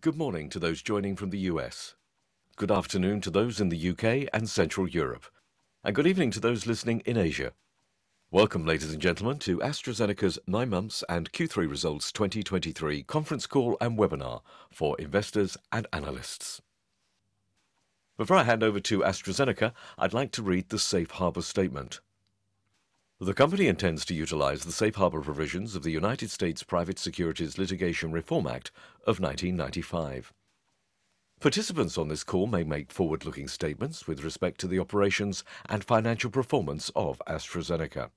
Good morning to those joining from the US Good afternoon to those in the UK and Central Europe, and good evening to those listening in Asia. Welcome, ladies and gentlemen, to AstraZeneca's Nine-Months and Q3 results 2023 Conference Call and Webinar for Investors and Analysts. Before I hand over to AstraZeneca, I'd like to read the safe harbor statement. The company intends to utilize the safe harbor provisions of the United States Private Securities Litigation Reform Act of 1995. Participants on this call may make forward-looking statements with respect to the operations and financial performance of AstraZeneca.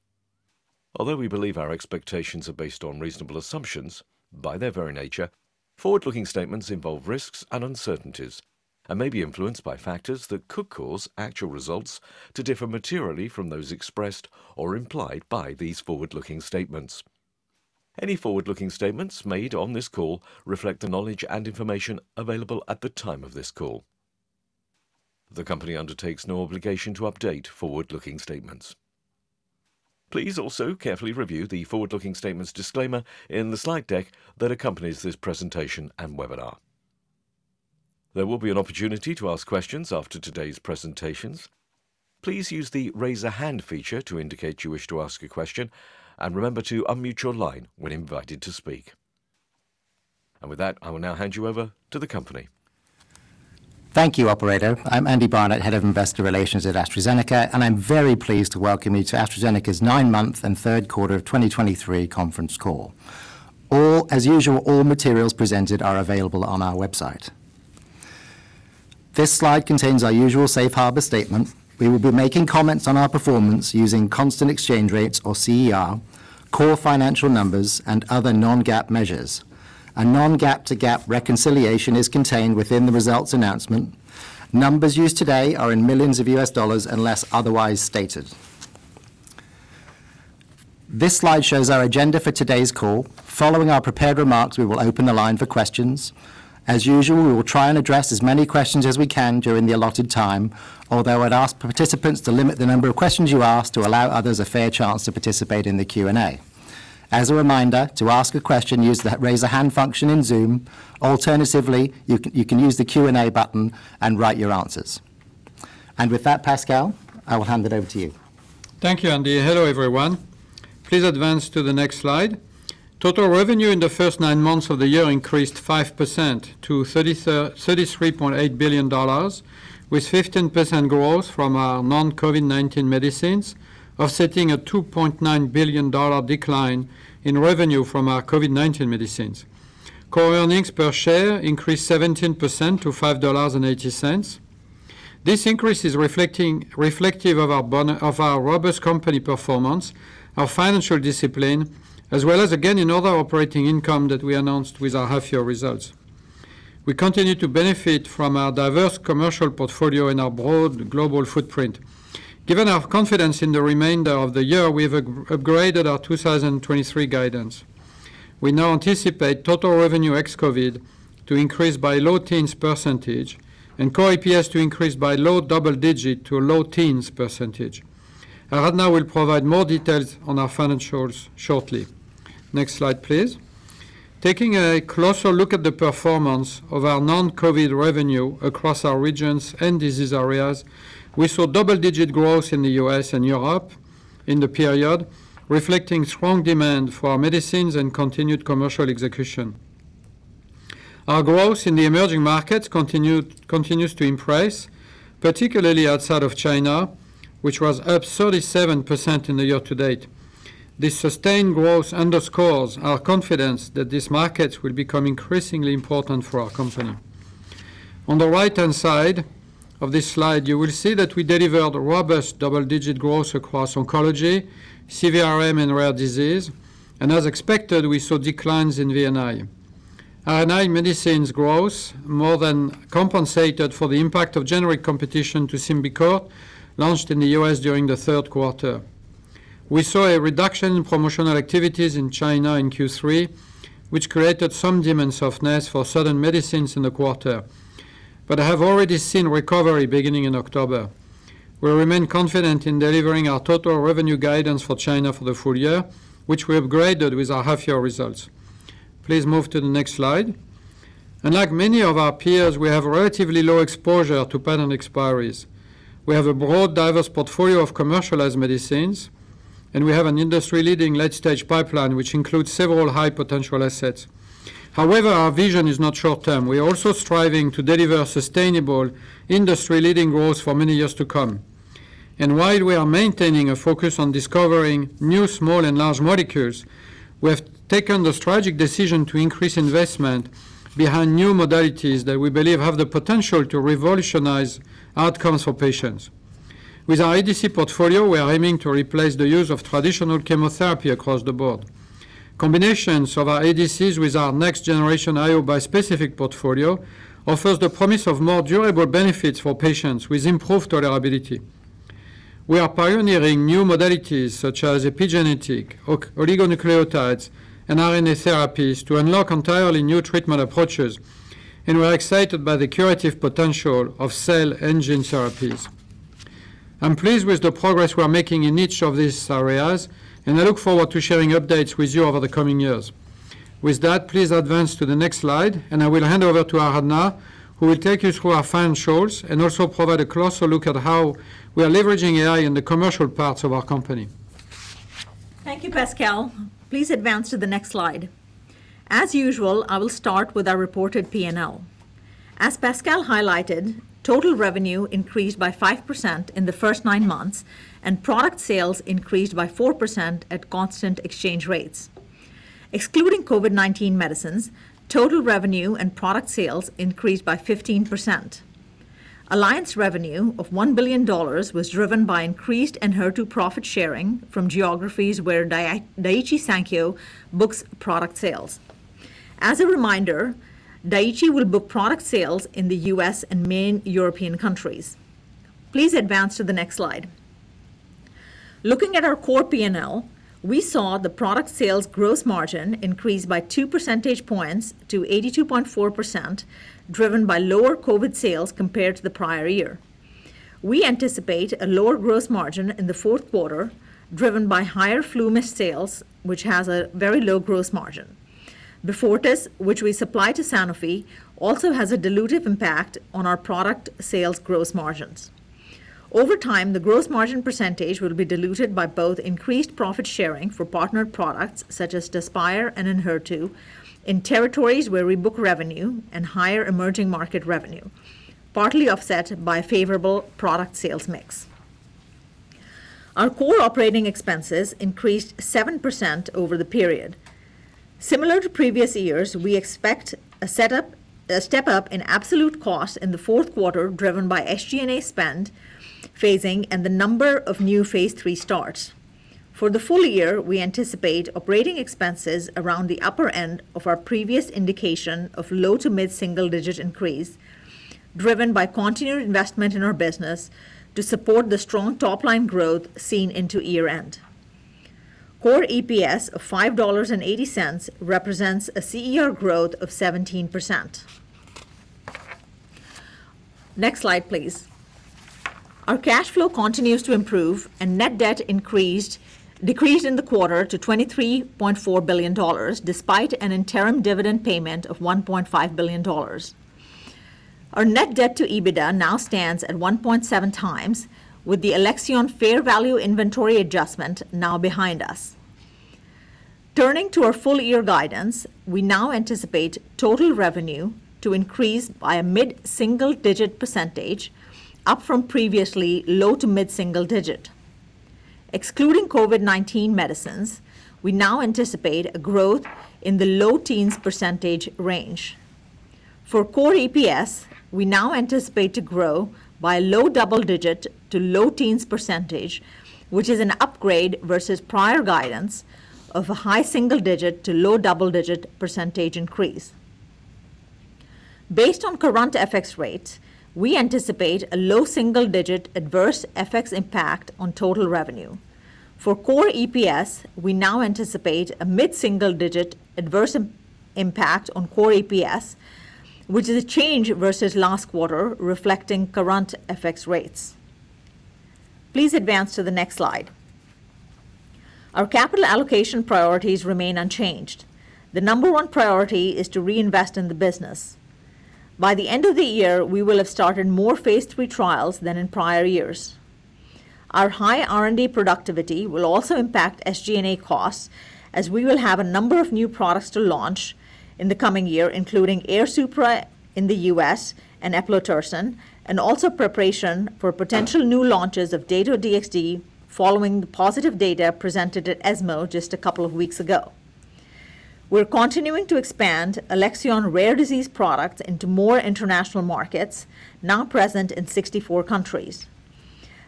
Although we believe our expectations are based on reasonable assumptions, by their very nature, forward-looking statements involve risks and uncertainties and may be influenced by factors that could cause actual results to differ materially from those expressed or implied by these forward-looking statements. Any forward-looking statements made on this call reflect the knowledge and information available at the time of this call. The company undertakes no obligation to update forward-looking statements. Please also carefully review the forward-looking statements disclaimer in the slide deck that accompanies this presentation and webinar. There will be an opportunity to ask questions after today's presentations. Please use the Raise a Hand feature to indicate you wish to ask a question, and remember to unmute your line when invited to speak. With that, I will now hand you over to the company. Thank you, operator. I'm Andy Barnett, Head of Investor Relations at AstraZeneca, and I'm very pleased to welcome you to AstraZeneca's Nine-Months and Q3 of 2023 Conference Call. As usual, all materials presented are available on our website. This slide contains our usual safe harbor statement. We will be making comments on our performance using constant exchange rates, or CER, core financial numbers, and other non-GAAP measures. A non-GAAP to GAAP reconciliation is contained within the results announcement. Numbers used today are in $ millions unless otherwise stated. This slide shows our agenda for today's call. Following our prepared remarks, we will open the line for questions. As usual, we will try and address as many questions as we can during the allotted time, although I'd ask participants to limit the number of questions you ask to allow others a fair chance to participate in the Q&A. As a reminder, to ask a question, use the Raise a Hand function in Zoom. Alternatively, you can use the Q&A button and write your answers. With that, Pascal, I will hand it over to you. Thank you, Andy. Hello, everyone. Please advance to the next slide. Total revenue in the first nine months of the year increased 5% to $33.8 billion, with 15% growth from our non-COVID-19 medicines, offsetting a $2.9 billion decline in revenue from our COVID-19 medicines. Core earnings per share increased 17% to $5.80. This increase is reflective of our robust company performance, our financial discipline, as well as a gain in other operating income that we announced with our half-year results. We continue to benefit from our diverse commercial portfolio and our broad global footprint. Given our confidence in the remainder of the year, we have upgraded our 2023 guidance. We now anticipate total revenue ex-COVID to increase by low teens % and core EPS to increase by low double-digit to low teens %. Aradhana will provide more details on our financials shortly. Next slide, please. Taking a closer look at the performance of our non-COVID revenue across our regions and disease areas, we saw double-digit growth in the US and Europe in the period, reflecting strong demand for our medicines and continued commercial execution. Our growth in the emerging markets continued, continues to impress, particularly outside of China, which was up 37% in the year to date. This sustained growth underscores our confidence that these markets will become increasingly important for our company. On the right-hand side of this slide, you will see that we delivered robust double-digit growth across oncology, CVRM, and rare disease, and as expected, we saw declines in V&I. RNA medicines growth more than compensated for the impact of generic competition to Symbicort, launched in the US during the Q3. We saw a reduction in promotional activities in China in Q3, which created some demand softness for certain medicines in the quarter, but have already seen recovery beginning in October. We remain confident in delivering our total revenue guidance for China for the full year, which we upgraded with our half-year results. Please move to the next slide. Like many of our peers, we have relatively low exposure to patent expiries. We have a broad, diverse portfolio of commercialized medicines, and we have an industry-leading late-stage pipeline, which includes several high-potential assets. However, our vision is not short term. We are also striving to deliver sustainable, industry-leading growth for many years to come. While we are maintaining a focus on discovering new small and large molecules, we have taken the strategic decision to increase investment behind new modalities that we believe have the potential to revolutionize outcomes for patients. With our ADC portfolio, we are aiming to replace the use of traditional chemotherapy across the board. Combinations of our ADCs with our next-generation IO bispecific portfolio offers the promise of more durable benefits for patients with improved tolerability. We are pioneering new modalities such as epigenetic, oligonucleotides, and RNA therapies to unlock entirely new treatment approaches, and we're excited by the curative potential of cell and gene therapies. I'm pleased with the progress we are making in each of these areas, and I look forward to sharing updates with you over the coming years. With that, please advance to the next slide, and I will hand over to Aradhna, who will take you through our financials and also provide a closer look at how we are leveraging AI in the commercial parts of our company. Thank you, Pascal. Please advance to the next slide. As usual, I will start with our reported P&L. As Pascal highlighted, total revenue increased by 5% in the first nine months, and product sales increased by 4% at constant exchange rates. Excluding COVID-19 medicines, total revenue and product sales increased by 15%. Alliance revenue of $1 billion was driven by increased Enhertu profit sharing from geographies where Daiichi Sankyo books product sales. As a reminder, Daiichi will book product sales in the US and main European countries. Please advance to the next slide. Looking at our core P&L, we saw the product sales gross margin increase by two percentage points to 82.4%, driven by lower COVID sales compared to the prior year. We anticipate a lower gross margin in the Q4, driven by higher FluMist sales, which has a very low gross margin. Beyfortus, which we supply to Sanofi, also has a dilutive impact on our product sales gross margins. Over time, the gross margin percentage will be diluted by both increased profit sharing for partnered products, such as Tezspire and Enhertu, in territories where we book revenue and higher emerging market revenue, partly offset by favorable product sales mix. Our core operating expenses increased 7% over the period. Similar to previous years, we expect a step-up in absolute costs in the Q4, driven by SG&A spend phasing and the number of new Phase III starts. For the full year, we anticipate operating expenses around the upper end of our previous indication of low- to mid-single-digit % increase, driven by continued investment in our business to support the strong top-line growth seen into year-end. Core EPS of $5.80 represents a year-over-year growth of 17%. Next slide, please. Our cash flow continues to improve, and net debt increased, decreased in the quarter to $23.4 billion, despite an interim dividend payment of $1.5 billion. Our net debt to EBITDA now stands at 1.7 times, with the Alexion fair value inventory adjustment now behind us. Turning to our full-year guidance, we now anticipate total revenue to increase by a mid-single-digit %, up from previously low- to mid-single-digit %. Excluding COVID-19 medicines, we now anticipate a growth in the low teens % range. For core EPS, we now anticipate to grow by low double-digit to low teens %, which is an upgrade versus prior guidance of a high single-digit to low double-digit % increase. Based on current FX rates, we anticipate a low single-digit adverse FX impact on total revenue. For core EPS, we now anticipate a mid-single-digit adverse impact on core EPS, which is a change versus last quarter, reflecting current FX rates. Please advance to the next slide. Our capital allocation priorities remain unchanged. The number one priority is to reinvest in the business. By the end of the year, we will have started more Phase III trials than in prior years. Our high R&D productivity will also impact SG&A costs, as we will have a number of new products to launch in the coming year, including Airsupra in the US and eplontersen, and also preparation for potential new launches of Dato-DXd, following the positive data presented at ESMO just a couple of weeks ago. We're continuing to expand Alexion rare disease products into more international markets, now present in 64 countries.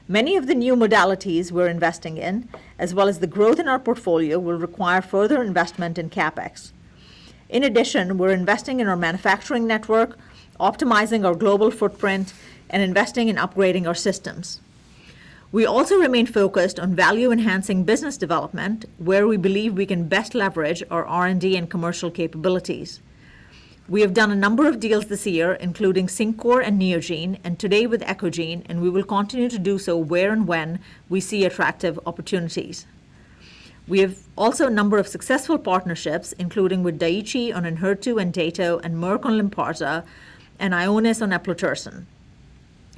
Many of the new modalities we're investing in, as well as the growth in our portfolio, will require further investment in CapEx. In addition, we're investing in our manufacturing network, optimizing our global footprint, and investing in upgrading our systems. We also remain focused on value-enhancing business development, where we believe we can best leverage our R&D and commercial capabilities. We have done a number of deals this year, including CinCor and Neogene, and today with Eccogene, and we will continue to do so where and when we see attractive opportunities. We have also a number of successful partnerships, including with Daiichi on Enhertu and Dato-DXd, and Merck on Lynparza, and Ionis on eplontersen.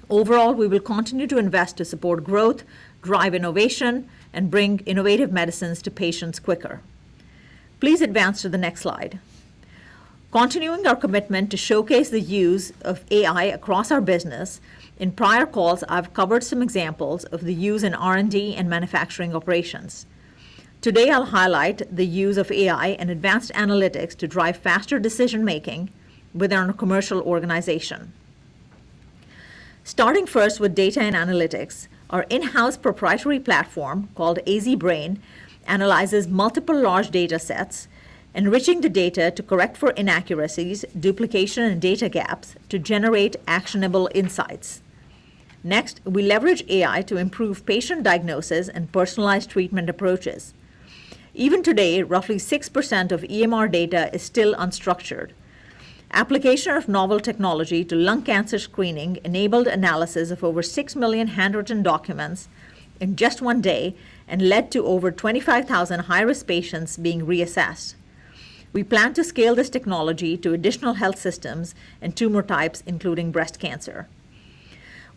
Overall, we will continue to invest to support growth, drive innovation, and bring innovative medicines to patients quicker. Please advance to the next slide. Continuing our commitment to showcase the use of AI across our business, in prior calls, I've covered some examples of the use in R&D and manufacturing operations. Today, I'll highlight the use of AI and advanced analytics to drive faster decision-making within our commercial organization. Starting first with data and analytics, our in-house proprietary platform, called AZ Brain, analyzes multiple large data sets, enriching the data to correct for inaccuracies, duplication, and data gaps to generate actionable insights. Next, we leverage AI to improve patient diagnosis and personalized treatment approaches. Even today, roughly 6% of EMR data is still unstructured. Application of novel technology to lung cancer screening enabled analysis of over 6 million handwritten documents in just one day and led to over 25,000 high-risk patients being reassessed. We plan to scale this technology to additional health systems and tumor types, including breast cancer.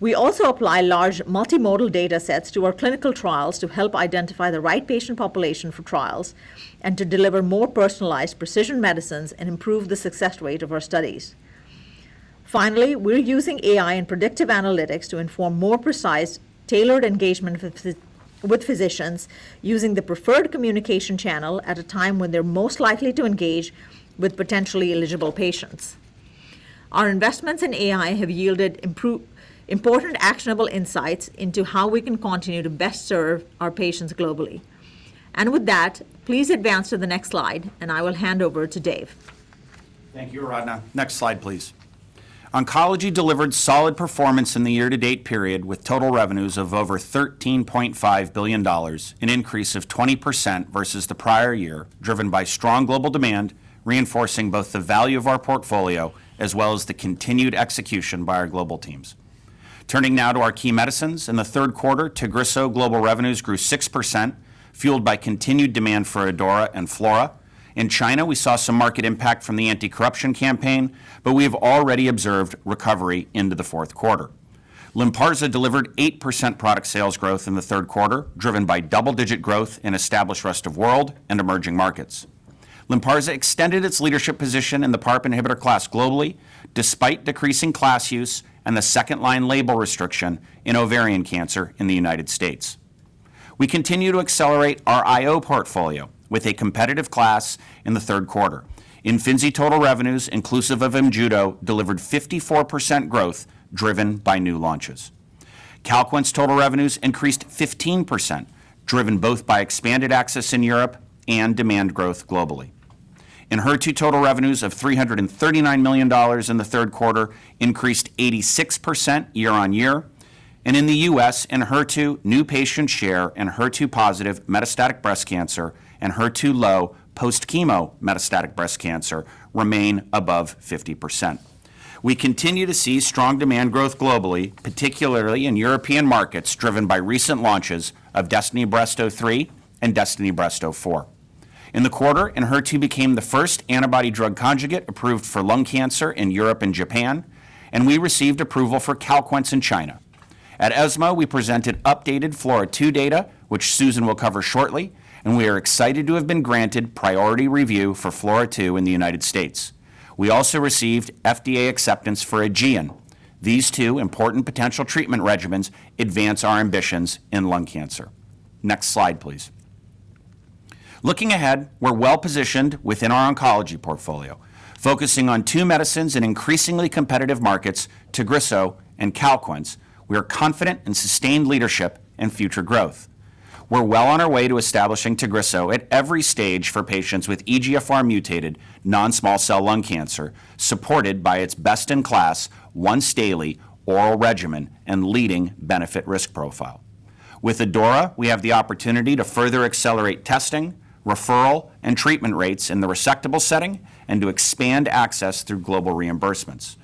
We also apply large multimodal data sets to our clinical trials to help identify the right patient population for trials and to deliver more personalized precision medicines and improve the success rate of our studies. Finally, we're using AI and predictive analytics to inform more precise, tailored engagement with physicians using the preferred communication channel at a time when they're most likely to engage with potentially eligible patients. Our investments in AI have yielded important, actionable insights into how we can continue to best serve our patients globally. And with that, please advance to the next slide, and I will hand over to Dave. Thank you, Aradhana. Next slide, please. Oncology delivered solid performance in the year-to-date period, with total revenues of over $13.5 billion, an increase of 20% versus the prior year, driven by strong global demand, reinforcing both the value of our portfolio as well as the continued execution by our global teams. Turning now to our key medicines. In the Q3, Tagrisso global revenues grew 6%, fueled by continued demand for ADAURA and FLAURA. In China, we saw some market impact from the anti-corruption campaign, but we have already observed recovery into the Q4. Lynparza delivered 8% product sales growth in the Q3, driven by double-digit growth in established rest of world and emerging markets. Lynparza extended its leadership position in the PARP inhibitor class globally, despite decreasing class use and the second-line label restriction in ovarian cancer in the United States. We continue to accelerate our IO portfolio with a competitive class in the Q3. Imfinzi total revenues, inclusive of Imjudo, delivered 54% growth, driven by new launches. Calquence total revenues increased 15%, driven both by expanded access in Europe and demand growth globally. Enhertu total revenues of $339 million in the Q3 increased 86% year-on-year, and in the US, Enhertu new patient share in HER2-positive metastatic breast cancer and HER2-low post-chemo metastatic breast cancer remain above 50%. We continue to see strong demand growth globally, particularly in European markets, driven by recent launches of Destiny Breast 03 and Destiny Breast 04. In the quarter, Enhertu became the first antibody drug conjugate approved for lung cancer in Europe and Japan, and we received approval for Calquence in China. At ESMO, we presented updatedFLAURA2 data, which Susan will cover shortly, and we are excited to have been granted priority review for FLAURA2 in the United States. We also received FDA acceptance for AEGEAN. These two important potential treatment regimens advance our ambitions in lung cancer. Next slide, please. Looking ahead, we're well-positioned within our oncology portfolio, focusing on two medicines in increasingly competitive markets, Tagrisso and Calquence. We are confident in sustained leadership and future growth. We're well on our way to establishing Tagrisso at every stage for patients with EGFR mutated non-small cell lung cancer, supported by its best-in-class, once daily oral regimen and leading benefit risk profile. With ADAURA, we have the opportunity to further accelerate testing, referral, and treatment rates in the resectable setting and to expand access through global reimbursements.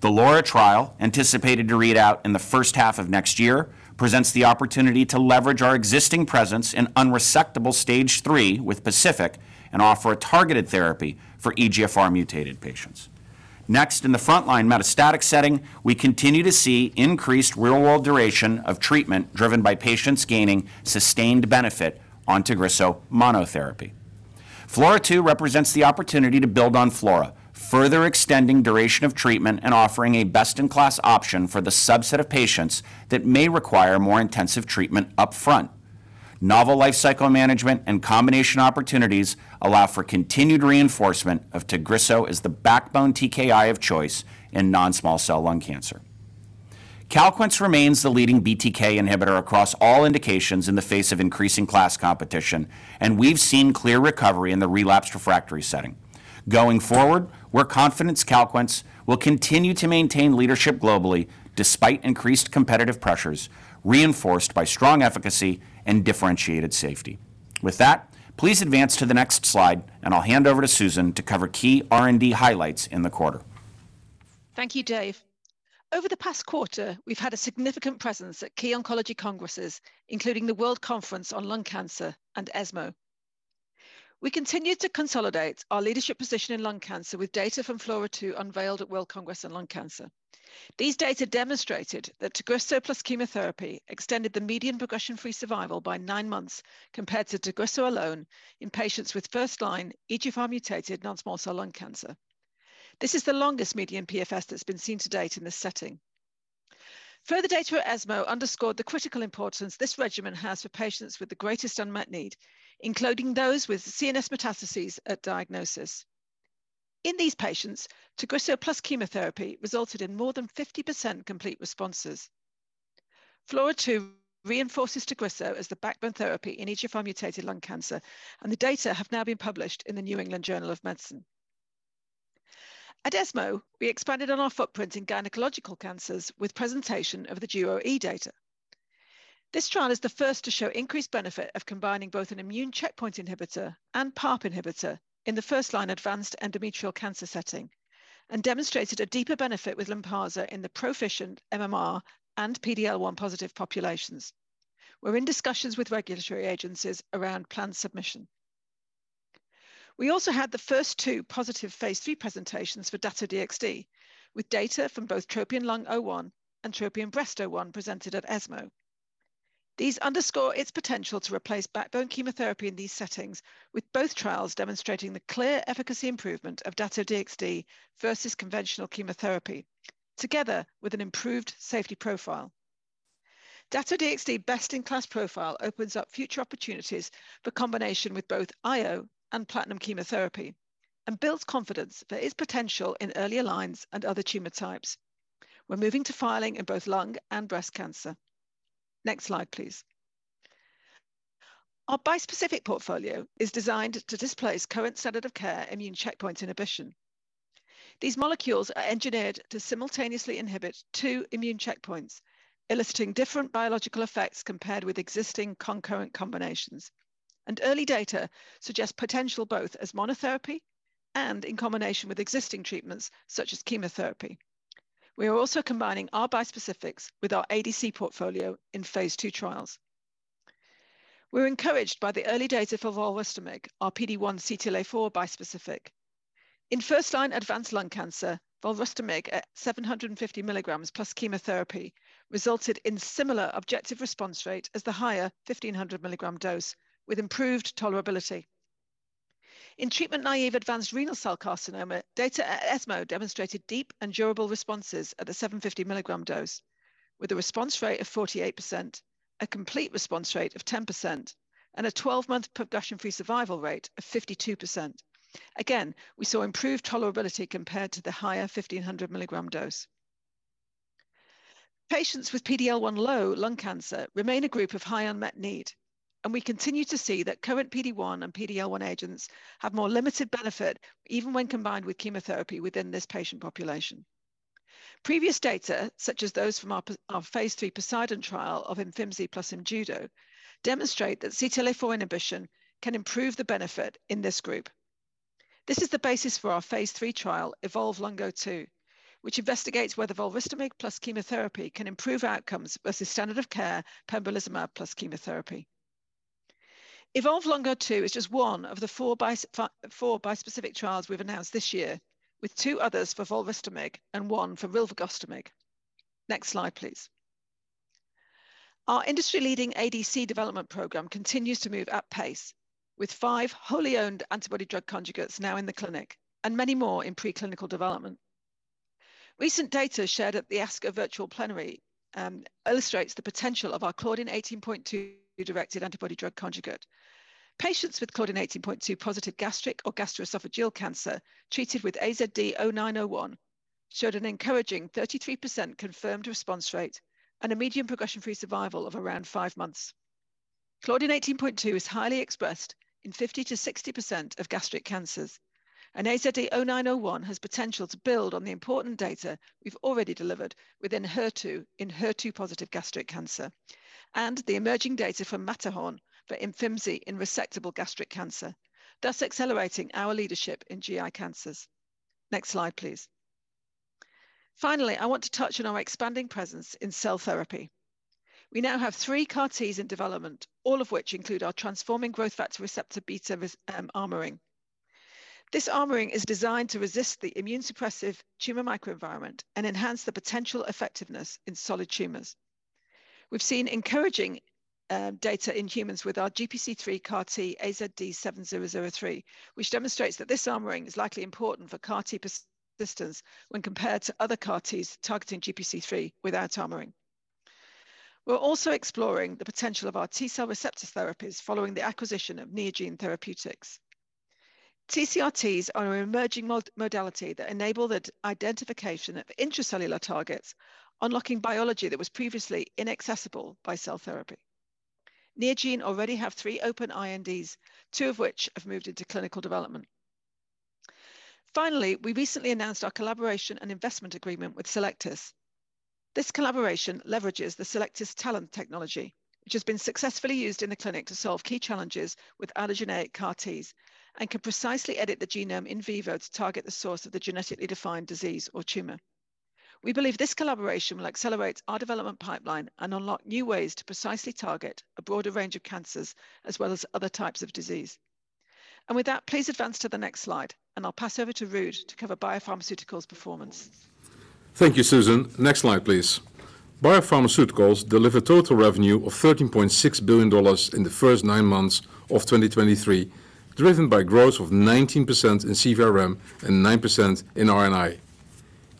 The LAURA trial, anticipated to read out in the H1 of next year, presents the opportunity to leverage our existing presence in unresectable stage three with PACIFIC and offer a targeted therapy for EGFR mutated patients. Next, in the frontline metastatic setting, we continue to see increased real-world duration of treatment driven by patients gaining sustained benefit on Tagrisso monotherapy. FLAURA-2 represents the opportunity to build on FLAURA, further extending duration of treatment and offering a best-in-class option for the subset of patients that may require more intensive treatment upfront. Novel life cycle management and combination opportunities allow for continued reinforcement of Tagrisso as the backbone TKI of choice in non-small cell lung cancer. Calquence remains the leading BTK inhibitor across all indications in the face of increasing class competition, and we've seen clear recovery in the relapsed refractory setting. Going forward, we're confident Calquence will continue to maintain leadership globally despite increased competitive pressures, reinforced by strong efficacy and differentiated safety. With that, please advance to the next slide, and I'll hand over to Susan to cover key R&D highlights in the quarter. Thank you, Dave. Over the past quarter, we've had a significant presence at key oncology congresses, including the World Conference on Lung Cancer and ESMO. We continued to consolidate our leadership position in lung cancer with data from FLAURA2 unveiled at World Congress on Lung Cancer. These data demonstrated that Tagrisso plus chemotherapy extended the median progression-free survival by nine months compared to Tagrisso alone in patients with first-line EGFR mutated non-small cell lung cancer. This is the longest median PFS that's been seen to date in this setting. Further data at ESMO underscored the critical importance this regimen has for patients with the greatest unmet need, including those with CNS metastases at diagnosis. In these patients, Tagrisso plus chemotherapy resulted in more than 50% complete responses. FLAURA2 reinforces Tagrisso as the backbone therapy in EGFR-mutated lung cancer, and the data have now been published in the New England Journal of Medicine. At ESMO, we expanded on our footprint in gynecological cancers with presentation of the DUO-E data. This trial is the first to show increased benefit of combining both an immune checkpoint inhibitor and PARP inhibitor in the first-line advanced endometrial cancer setting, and demonstrated a deeper benefit with Lynparza in the proficient MMR and PD-L1-positive populations. We're in discussions with regulatory agencies around planned submission. We also had the first two positive Phase III presentations for Dato-DXd, with data from both TROPION-Lung01 and TROPION-Breast01 presented at ESMO. These underscore its potential to replace backbone chemotherapy in these settings, with both trials demonstrating the clear efficacy improvement of Dato-DXd versus conventional chemotherapy, together with an improved safety profile. Dato-DXd best-in-class profile opens up future opportunities for combination with both IO and platinum chemotherapy and builds confidence for its potential in earlier lines and other tumor types. We're moving to filing in both lung and breast cancer. Next slide, please. Our bispecific portfolio is designed to displace current standard of care immune checkpoint inhibition. These molecules are engineered to simultaneously inhibit two immune checkpoints, eliciting different biological effects compared with existing concurrent combinations. Early data suggests potential both as monotherapy and in combination with existing treatments such as chemotherapy. We are also combining our bispecifics with our ADC portfolio in Phase II trials. We're encouraged by the early data for Volrustomig, our PD-1/CTLA-4 bispecific. In first-line advanced lung cancer, Volrustomig at 750 milligrams plus chemotherapy resulted in similar objective response rate as the higher 1,500 milligram dose, with improved tolerability. In treatment-naive advanced renal cell carcinoma, data at ESMO demonstrated deep and durable responses at a 750-milligram dose, with a response rate of 48%, a complete response rate of 10%, and a 12-month progression-free survival rate of 52%. Again, we saw improved tolerability compared to the higher 1,500-milligram dose. Patients with PD-L1 low lung cancer remain a group of high unmet need, and we continue to see that current PD-1 and PD-L1 agents have more limited benefit, even when combined with chemotherapy within this patient population. Previous data, such as those from our our Phase III POSEIDON trial of Imfinzi plus Imjudo, demonstrate that CTLA-4 inhibition can improve the benefit in this group. This is the basis for our Phase III trial, EVOLVE-Lung02, which investigates whether Volrustomig plus chemotherapy can improve outcomes versus standard of care pembrolizumab plus chemotherapy. EVOLVE-Lung02 is just one of the 4 bispecific trials we've announced this year, with 2 others for Volrustomig and 1 for rilvegostomig. Next slide, please. Our industry-leading ADC development program continues to move at pace, with 5 wholly-owned antibody drug conjugates now in the clinic and many more in preclinical development. Recent data shared at the ASCO Virtual Plenary illustrates the potential of our claudin 18.2-directed antibody drug conjugate. Patients with claudin 18.2-positive gastric or gastroesophageal cancer treated with AZD0901 showed an encouraging 33% confirmed response rate and a median progression-free survival of around 5 months. Claudin 18.2 is highly expressed in 50%-60% of gastric cancers, and AZD0901 has potential to build on the important data we've already delivered within HER2, in HER2-positive gastric cancer and the emerging data from Matterhorn for Imfinzi in resectable gastric cancer, thus accelerating our leadership in GI cancers. Next slide, please. Finally, I want to touch on our expanding presence in cell therapy. We now have three CAR-Ts in development, all of which include our transforming growth factor beta receptor armoring. This armoring is designed to resist the immune-suppressive tumor microenvironment and enhance the potential effectiveness in solid tumors. We've seen encouraging, data in humans with our GPC3 CAR-T, AZD7003, which demonstrates that this armoring is likely important for CAR-T persistence when compared to other CAR-Ts targeting GPC3 without armoring. We're also exploring the potential of our T-cell receptor therapies following the acquisition of Neogene Therapeutics. TCR-Ts are an emerging modality that enable the identification of intracellular targets, unlocking biology that was previously inaccessible by cell therapy. Neogene already have three open INDs, two of which have moved into clinical development. Finally, we recently announced our collaboration and investment agreement with Cellectis. This collaboration leverages the Cellectis talent technology, which has been successfully used in the clinic to solve key challenges with allogeneic CAR-Ts and can precisely edit the genome in vivo to target the source of the genetically defined disease or tumor. We believe this collaboration will accelerate our development pipeline and unlock new ways to precisely target a broader range of cancers, as well as other types of disease. With that, please advance to the next slide, and I'll pass over to Ruud to cover Biopharmaceuticals performance. Thank you, Susan. Next slide, please. Biopharmaceuticals delivered total revenue of $13.6 billion in the first nine months of 2023, driven by growth of 19% in CVRM and 9% in R&I.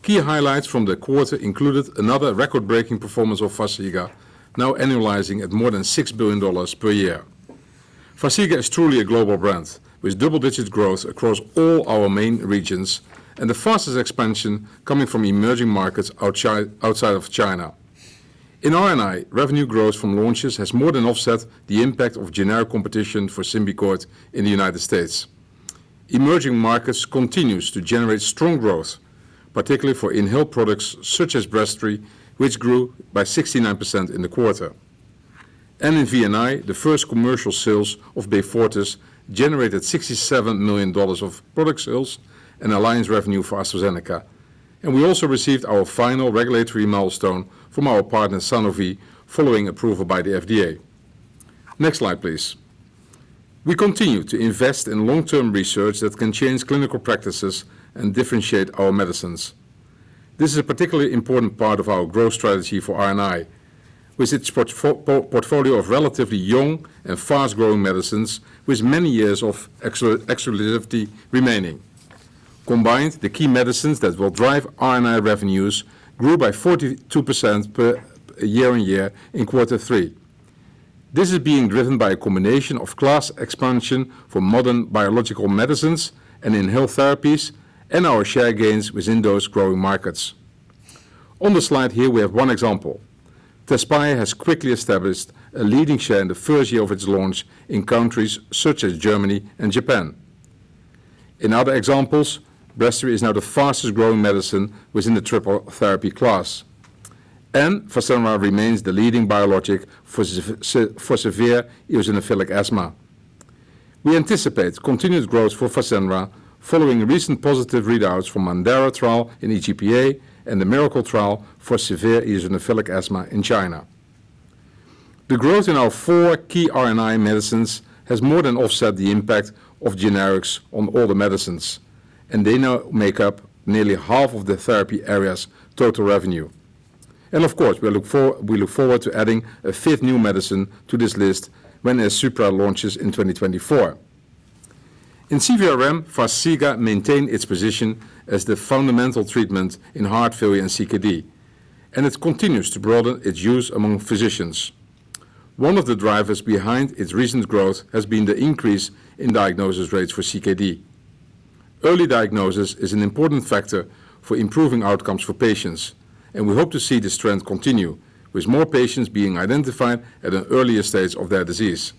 Key highlights from the quarter included another record-breaking performance of Farxiga, now annualizing at more than $6 billion per year. Farxiga is truly a global brand, with double-digit growth across all our main regions and the fastest expansion coming from emerging markets outside of China. In R&I, revenue growth from launches has more than offset the impact of generic competition for Symbicort in the United States. Emerging markets continues to generate strong growth, particularly for inhaled products such as Breztri, which grew by 69% in the quarter. And in VNI, the first commercial sales of Beyfortus generated $67 million of product sales and alliance revenue for AstraZeneca. We also received our final regulatory milestone from our partner, Sanofi, following approval by the FDA. Next slide, please. We continue to invest in long-term research that can change clinical practices and differentiate our medicines. This is a particularly important part of our growth strategy for R&I, with its portfolio of relatively young and fast-growing medicines, with many years of exclusivity remaining. Combined, the key medicines that will drive R&I revenues grew by 42% year on year in quarter three. This is being driven by a combination of class expansion for modern biological medicines and inhaled therapies and our share gains within those growing markets. On the slide here, we have one example. Tezspire has quickly established a leading share in the first year of its launch in countries such as Germany and Japan. In other examples, Breztri is now the fastest-growing medicine within the triple therapy class, and Fasenra remains the leading biologic for severe eosinophilic asthma. We anticipate continued growth for Fasenra following recent positive readouts from MANDARA trial in EGPA and the MIRACLE trial for severe eosinophilic asthma in China. The growth in our four key R&I medicines has more than offset the impact of generics on all the medicines, and they now make up nearly half of the therapy area's total revenue. Of course, we look forward to adding a fifth new medicine to this list when Airsupra launches in 2024. In CVRM, Farxiga maintain its position as the fundamental treatment in heart failure and CKD, and it continues to broaden its use among physicians. One of the drivers behind its recent growth has been the increase in diagnosis rates for CKD. Early diagnosis is an important factor for improving outcomes for patients, and we hope to see this trend continue, with more patients being identified at an earlier stage of their disease.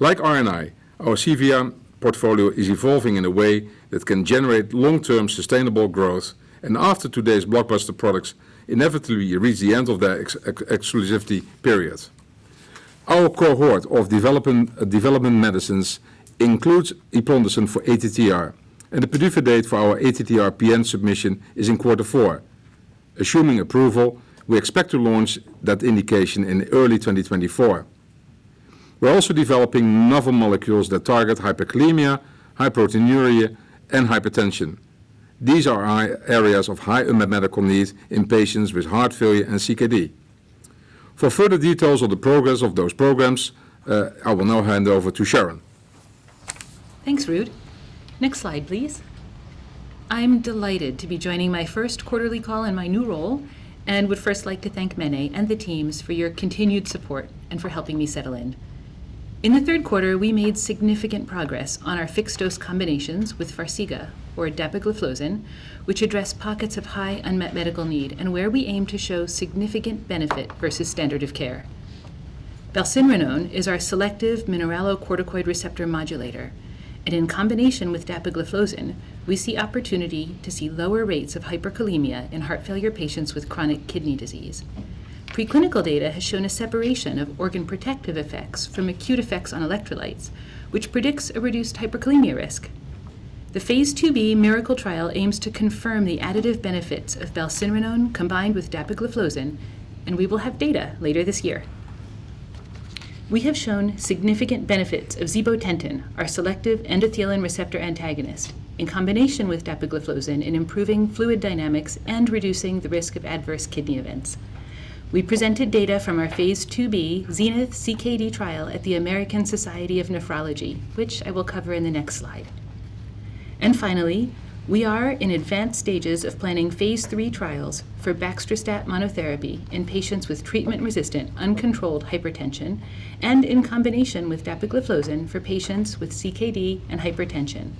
Like R&I, our CVRM portfolio is evolving in a way that can generate long-term sustainable growth, and after today's blockbuster products inevitably reach the end of their exclusivity periods. Our cohort of development medicines includes eplontersen for ATTR, and the PDUFA date for our ATTR PN submission is in quarter four. Assuming approval, we expect to launch that indication in early 2024. We're also developing novel molecules that target hyperkalemia, proteinuria, and hypertension. These are areas of high unmet medical need in patients with heart failure and CKD. For further details on the progress of those programs, I will now hand over to Sharon. Thanks, Ruud. Next slide, please. I'm delighted to be joining my Q1ly call in my new role and would first like to thank Mene and the teams for your continued support and for helping me settle in. In the Q3, we made significant progress on our fixed-dose combinations with Farxiga or dapagliflozin, which address pockets of high unmet medical need and where we aim to show significant benefit versus standard of care. Balcinrenone is our selective mineralocorticoid receptor modulator, and in combination with dapagliflozin, we see opportunity to see lower rates of hyperkalemia in heart failure patients with chronic kidney disease. Preclinical data has shown a separation of organ protective effects from acute effects on electrolytes, which predicts a reduced hyperkalemia risk. The Phase IIB MIRACLE trial aims to confirm the additive benefits of valsinrenone combined with dapagliflozin, and we will have data later this year. We have shown significant benefits of zibotentan, our selective endothelin receptor antagonist, in combination with dapagliflozin in improving fluid dynamics and reducing the risk of adverse kidney events. We presented data from our Phase IIB ZENITH-CKD trial at the American Society of Nephrology, which I will cover in the next slide. And finally, we are in advanced stages of planning Phase III trials for baxdrostat monotherapy in patients with treatment-resistant uncontrolled hypertension and in combination with dapagliflozin for patients with CKD and hypertension.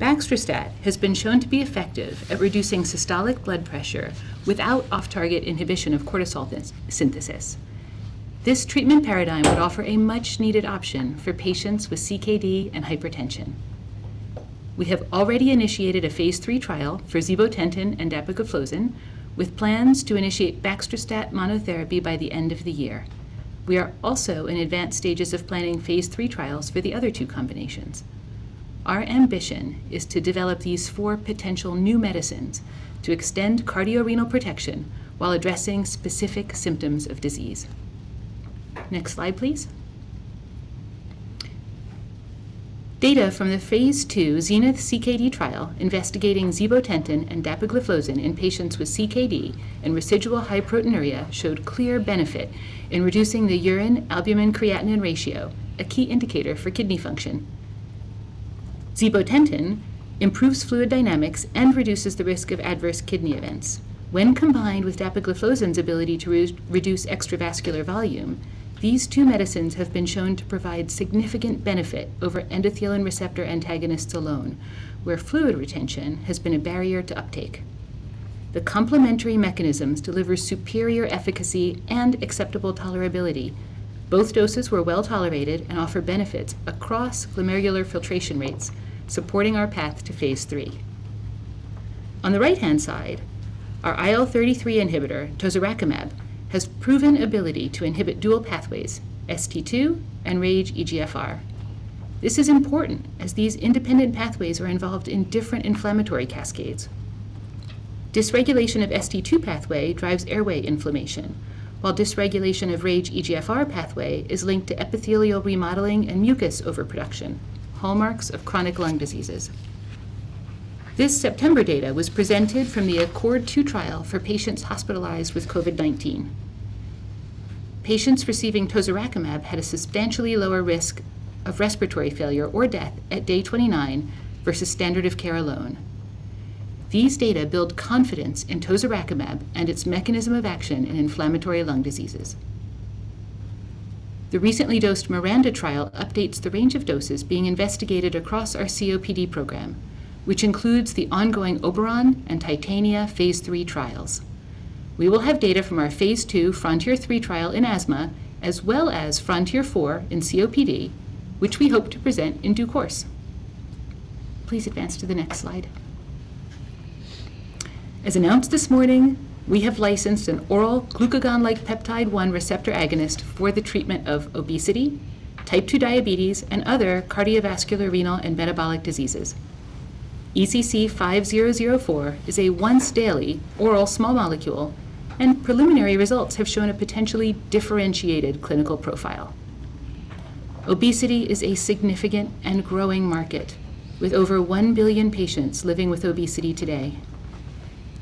Baxdrostat has been shown to be effective at reducing systolic blood pressure without off-target inhibition of cortisol synthesis. This treatment paradigm would offer a much-needed option for patients with CKD and hypertension. We have already initiated a Phase III trial for zibotentan and dapagliflozin, with plans to initiate baxdrostat monotherapy by the end of the year. We are also in advanced stages of planning Phase III trials for the other two combinations. Our ambition is to develop these four potential new medicines to extend cardiorenal protection while addressing specific symptoms of disease. Next slide, please. Data from the Phase II Zenith CKD trial investigating zibotentan and dapagliflozin in patients with CKD and residual proteinuria showed clear benefit in reducing the urine albumin-creatinine ratio, a key indicator for kidney function. Zibotentan improves fluid dynamics and reduces the risk of adverse kidney events. When combined with dapagliflozin's ability to re-reduce extravascular volume, these two medicines have been shown to provide significant benefit over endothelin receptor antagonists alone, where fluid retention has been a barrier to uptake. The complementary mechanisms deliver superior efficacy and acceptable tolerability. Both doses were well-tolerated and offer benefits across glomerular filtration rates, supporting our path to Phase III. On the right-hand side, our IL-33 inhibitor, Tozorakimab, has proven ability to inhibit dual pathways, ST2 and RAGE/EGFR. This is important, as these independent pathways are involved in different inflammatory cascades. Dysregulation of ST2 pathway drives airway inflammation, while dysregulation of RAGE/EGFR pathway is linked to epithelial remodeling and mucus overproduction, hallmarks of chronic lung diseases. This September data was presented from the ACCORD-2 trial for patients hospitalized with COVID-19. Patients receiving Tozorakimab had a substantially lower risk of respiratory failure or death at day 29 versus standard of care alone. These data build confidence in Tozorakimab and its mechanism of action in inflammatory lung diseases. The recently dosed MIRANDA trial updates the range of doses being investigated across our COPD program, which includes the ongoing OBERON and TITANIA Phase III trials. We will have data from our Phase II FRONTIER-3 trial in asthma, as well as FRONTIER-4 in COPD, which we hope to present in due course. Please advance to the next slide. As announced this morning, we have licensed an oral glucagon-like peptide one receptor agonist for the treatment of obesity, type 2 diabetes, and other cardiovascular, renal, and metabolic diseases. ECC5004 is a once-daily oral small molecule, and preliminary results have shown a potentially differentiated clinical profile. Obesity is a significant and growing market, with over 1 billion patients living with obesity today.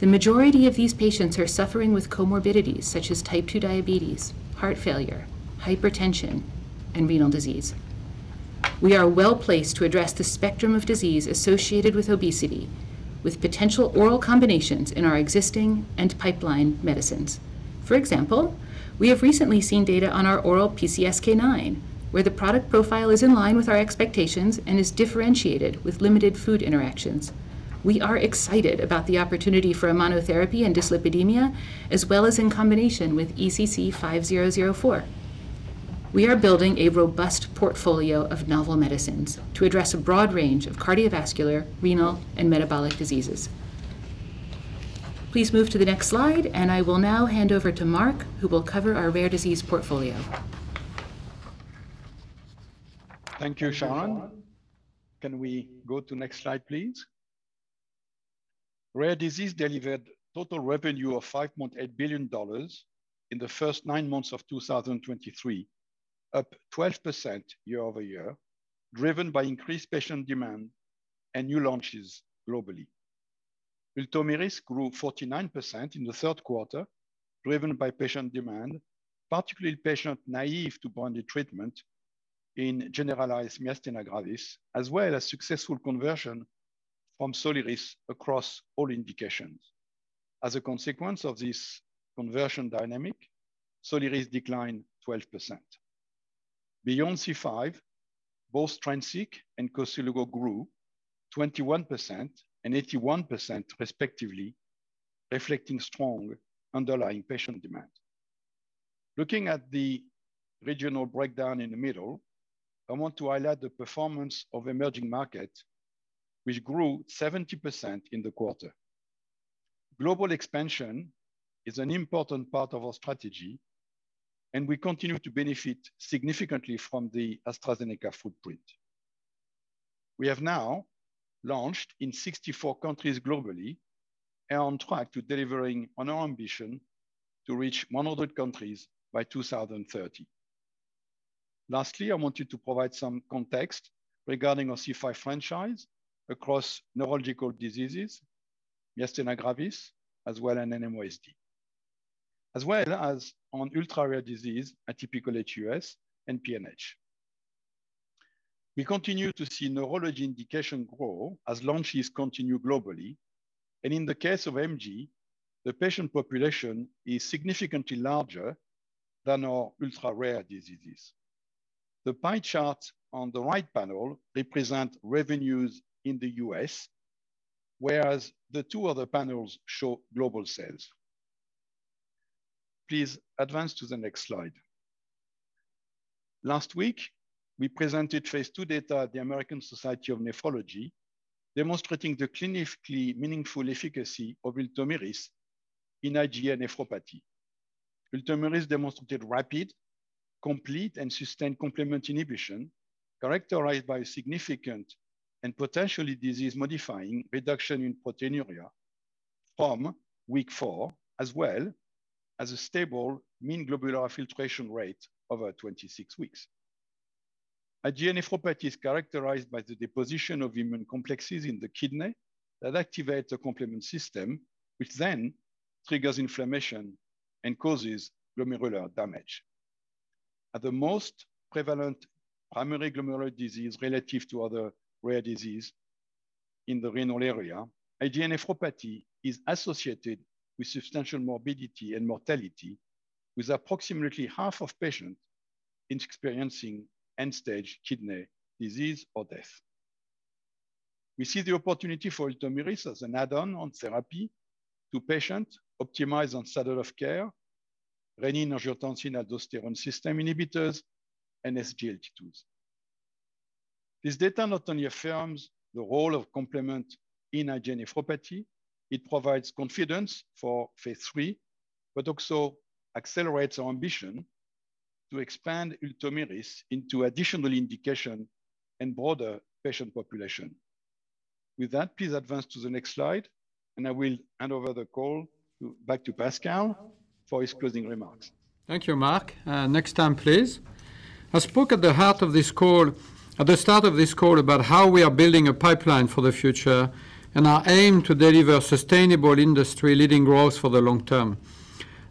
The majority of these patients are suffering with comorbidities such as type 2 diabetes, heart failure, hypertension, and renal disease. We are well-placed to address the spectrum of disease associated with obesity, with potential oral combinations in our existing and pipeline medicines. For example, we have recently seen data on our oral PCSK9, where the product profile is in line with our expectations and is differentiated with limited food interactions. We are excited about the opportunity for a monotherapy and dyslipidemia, as well as in combination with ECC5004. We are building a robust portfolio of novel medicines to address a broad range of cardiovascular, renal, and metabolic diseases. Please move to the next slide, and I will now hand over to Marc, who will cover our rare disease portfolio. Thank you, Sharon. Can we go to next slide, please? Rare disease delivered total revenue of $5.8 billion in the first 9 months of 2023, up 12% year-over-year, driven by increased patient demand and new launches globally. Ultomiris grew 49% in the Q3, driven by patient demand, particularly patient naïve to C5 treatment in generalized myasthenia gravis, as well as successful conversion from Soliris across all indications. As a consequence of this conversion dynamic, Soliris declined 12%. Beyond C5, both Strensiq and Koselugo grew 21% and 81%, respectively, reflecting strong underlying patient demand. Looking at the regional breakdown in the middle, I want to highlight the performance of emerging markets, which grew 70% in the quarter. Global expansion is an important part of our strategy, and we continue to benefit significantly from the AstraZeneca footprint. We have now launched in 64 countries globally and on track to delivering on our ambition to reach 100 countries by 2030. Lastly, I wanted to provide some context regarding our C5 franchise across neurological diseases, myasthenia gravis, as well as NMOSD, as well as on ultra-rare disease, aHUS, and PNH. We continue to see neurology indication grow as launches continue globally, and in the case of MG, the patient population is significantly larger than our ultra-rare diseases. The pie chart on the right panel represents revenues in the US, whereas the two other panels show global sales. Please advance to the next slide. Last week, we presented Phase II data at the American Society of Nephrology, demonstrating the clinically meaningful efficacy of Ultomiris in IgA nephropathy. Ultomiris demonstrated rapid, complete, and sustained complement inhibition, characterized by a significant and potentially disease-modifying reduction in proteinuria from week 4, as well as a stable mean glomerular filtration rate over 26 weeks. IgA Nephropathy is characterized by the deposition of immune complexes in the kidney that activate the complement system, which then triggers inflammation and causes glomerular damage. At the most prevalent primary glomerular disease relative to other rare disease in the renal area, IgA Nephropathy is associated with substantial morbidity and mortality, with approximately half of patients in experiencing end-stage kidney disease or death. We see the opportunity for Ultomiris as an add-on on therapy to patients optimized on standard of care, renin-angiotensin-aldosterone system inhibitors, and SGLT2s. This data not only affirms the role of complement in IgA nephropathy, it provides confidence for Phase III, but also accelerates our ambition to expand Ultomiris into additional indication and broader patient population. With that, please advance to the next slide, and I will hand over the call to, back to Pascal for his closing remarks. Thank you, Marc. Next time, please. I spoke at the heart of this call, at the start of this call about how we are building a pipeline for the future and our aim to deliver sustainable industry-leading growth for the long term.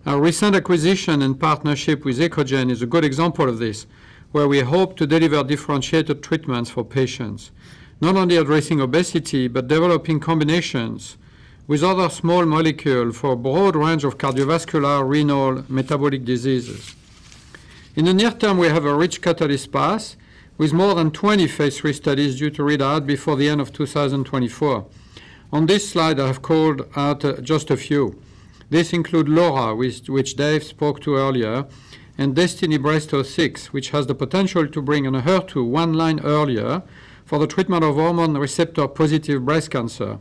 Our recent acquisition and partnership with Echosens is a good example of this, where we hope to deliver differentiated treatments for patients, not only addressing obesity, but developing combinations with other small molecule for a broad range of cardiovascular, renal, metabolic diseases. In the near term, we have a rich catalyst path, with more than 20 Phase III studies due to read out before the end of 2024. On this slide, I have called out just a few. This includes LAURA, which, which Dave spoke to earlier, and DESTINY-Breast06, which has the potential to bring an HER2 one line earlier for the treatment of hormone receptor-positive breast cancer,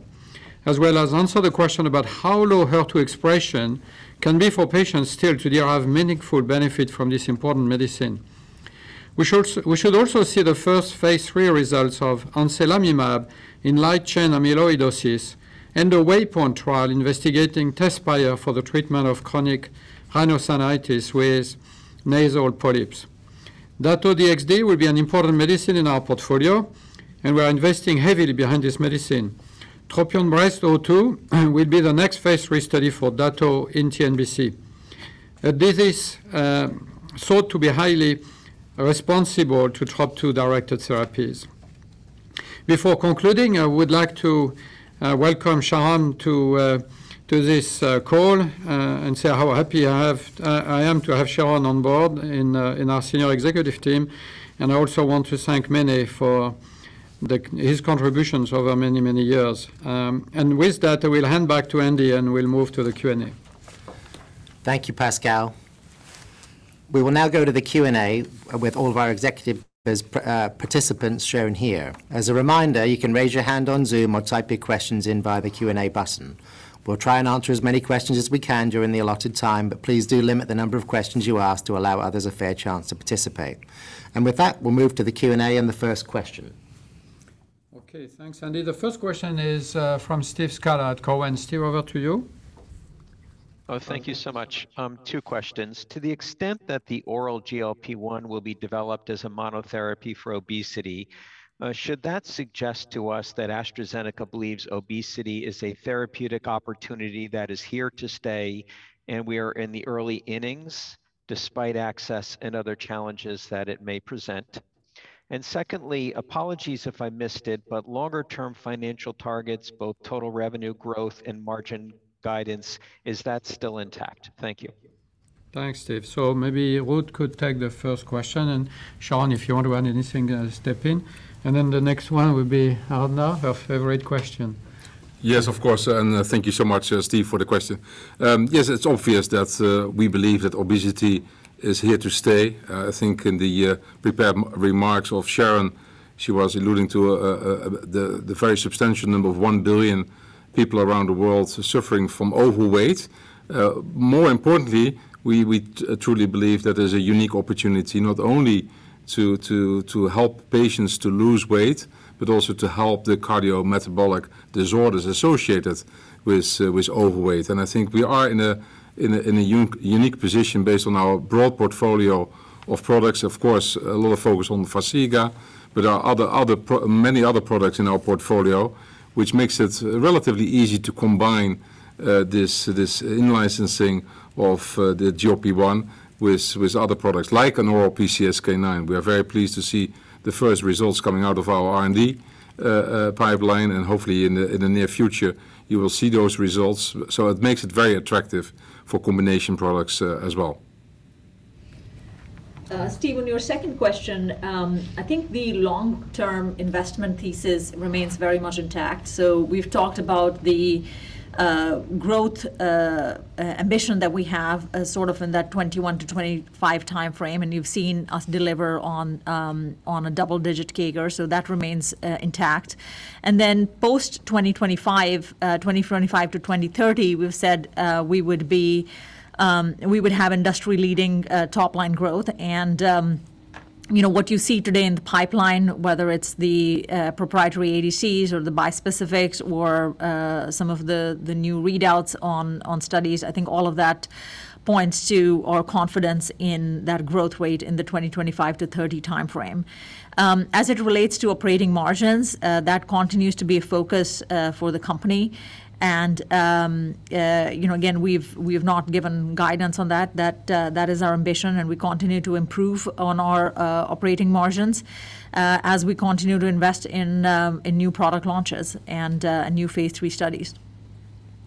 as well as answer the question about how low HER2 expression can be for patients still to have meaningful benefit from this important medicine. We should also, we should also see the first Phase III results of anselimab in light chain amyloidosis and a WAYPOINT trial investigating Tezspire for the treatment of chronic rhinosinusitis with nasal polyps. Dato-DXd will be an important medicine in our portfolio, and we are investing heavily behind this medicine. TROPION-Breast02 will be the next Phase III study for Dato-DXd in TNBC. A disease thought to be highly responsive to TROP-2-directed therapies. Before concluding, I would like to welcome Sharon to this call and say how happy I have, I am to have Sharon on board in our senior executive team, and I also want to thank Mene for his contributions over many, many years. With that, I will hand back to Andy, and we'll move to the Q&A. Thank you, Pascal. We will now go to the Q&A with all of our executive participants shown here. As a reminder, you can raise your hand on Zoom or type your questions in via the Q&A button. We'll try and answer as many questions as we can during the allotted time, but please do limit the number of questions you ask to allow others a fair chance to participate. With that, we'll move to the Q&A and the first question. Okay, thanks, Andy. The first question is from Steve Scala at Cowen. Steve, over to you. Oh, thank you so much. Two questions: To the extent that the oral GLP-1 will be developed as a monotherapy for obesity, should that suggest to us that AstraZeneca believes obesity is a therapeutic opportunity that is here to stay, and we are in the early innings despite access and other challenges that it may present? And secondly, apologies if I missed it, but longer-term financial targets, both total revenue growth and margin guidance, is that still intact? Thank you. Thanks, Steve. So maybe Ruud could take the first question, and Sharon, if you want to add anything, step in. And then the next one will be Aradhana, her favorite question. Yes, of course, and thank you so much, Steve, for the question. Yes, it's obvious that we believe that obesity is here to stay. I think in the prepared remarks of Sharon, she was alluding to the very substantial number of 1 billion people around the world suffering from overweight. More importantly, we truly believe that there's a unique opportunity not only to help patients to lose weight, but also to help the cardiometabolic disorders associated with overweight. And I think we are in a unique position based on our broad portfolio of products. Of course, a lot of focus on Farxiga, but there are other, many other products in our portfolio, which makes it relatively easy to combine this in-licensing of the GLP-1 with other products, like an oral PCSK9. We are very pleased to see the first results coming out of our R&D pipeline, and hopefully in the near future, you will see those results. So it makes it very attractive for combination products, as well. Steve, on your second question, I think the long-term investment thesis remains very much intact. So we've talked about the growth ambition that we have, sort of in that 21-25 timeframe, and you've seen us deliver on a double-digit CAGR, so that remains intact. And then post-2025, 2025-2030, we've said we would be, we would have industry-leading top-line growth. And, you know, what you see today in the pipeline, whether it's the proprietary ADCs or the bispecifics or some of the new readouts on studies, I think all of that points to our confidence in that growth rate in the 2025-30 timeframe. As it relates to operating margins, that continues to be a focus for the company. You know, again, we've, we have not given guidance on that. That, that is our ambition, and we continue to improve on our, operating margins, as we continue to invest in, in new product launches and, new Phase III studies.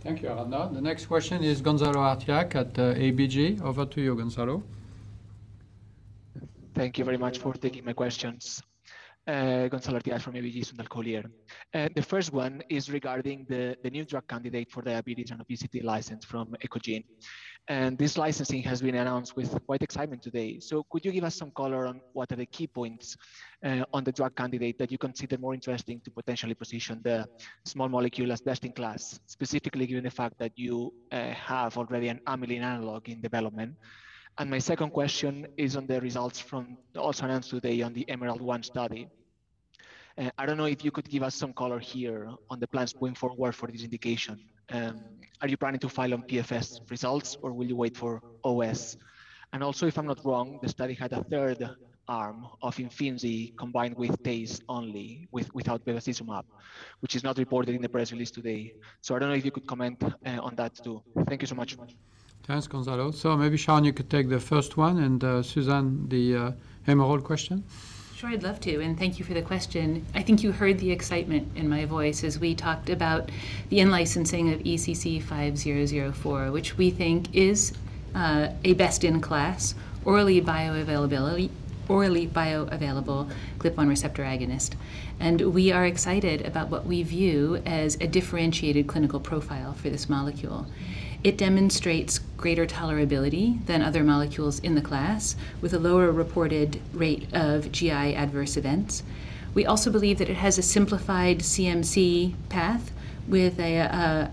Thank you, Aradhana. The next question is Gonzalo Artiach at ABG. Over to you, Gonzalo. Thank you very much for taking my questions. Gonzalo Artiach from ABG Sundal Collier. And the first one is regarding the new drug candidate for diabetes and obesity licensed from Echosens. And this licensing has been announced with quite excitement today. So could you give us some color on what are the key points on the drug candidate that you consider more interesting to potentially position the small molecule as best-in-class, specifically given the fact that you have already an amylin analog in development? And my second question is on the results from, also announced today, on the EMERALD-1 study. I don't know if you could give us some color here on the plans going forward for this indication. Are you planning to file on PFS results, or will you wait for OS? And also, if I'm not wrong, the study had a third arm of Imfinzi combined with TACE only, without bevacizumab, which is not reported in the press release today. So I don't know if you could comment on that, too. Thank you so much. Thanks, Gonzalo. So maybe, Sharon, you could take the first one, and, Susan, the, EMERALD question. Sure, I'd love to, and thank you for the question. I think you heard the excitement in my voice as we talked about the in-licensing of ECC5004, which we think is a best-in-class, orally bioavailable GLP-1 receptor agonist. And we are excited about what we view as a differentiated clinical profile for this molecule. It demonstrates greater tolerability than other molecules in the class, with a lower reported rate of GI adverse events. We also believe that it has a simplified CMC path with a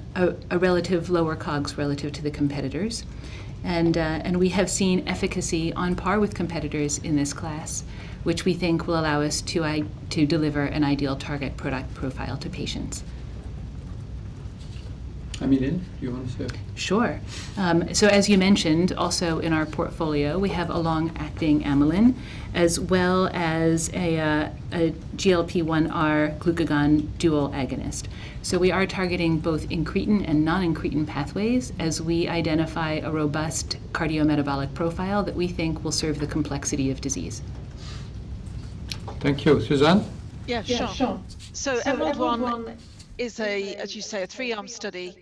relative lower COGS relative to the competitors. And we have seen efficacy on par with competitors in this class, which we think will allow us to to deliver an ideal target product profile to patients. Amylin, do you want to say? Sure. So as you mentioned, also in our portfolio, we have a long-acting amylin, as well as a GLP-1 R glucagon dual agonist. So we are targeting both incretin and non-incretin pathways as we identify a robust cardiometabolic profile that we think will serve the complexity of disease. Thank you. Susan? Yeah, sure. So EMERALD-1 is a, as you say, a three-arm study.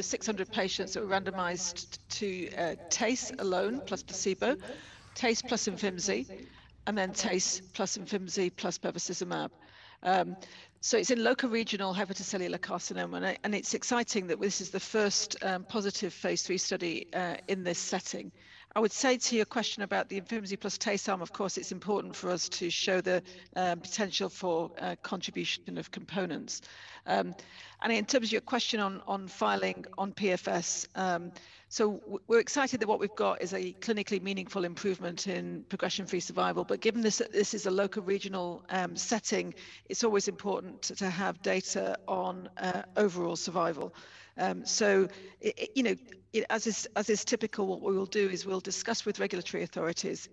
Six hundred patients that were randomized to TACE alone, plus placebo, TACE plus Imfinzi, and then TACE plus Imfinzi plus bevacizumab. So it's in local regional hepatocellular carcinoma, and and it's exciting that this is the first positive Phase III study in this setting. I would say to your question about the Imfinzi plus TACE arm, of course, it's important for us to show the potential for contribution of components. And in terms of your question on filing on PFS, so we're excited that what we've got is a clinically meaningful improvement in progression-free survival. But given this, that this is a local regional setting, it's always important to have data on overall survival. So, you know, as is typical, what we will do is we'll discuss with regulatory authorities.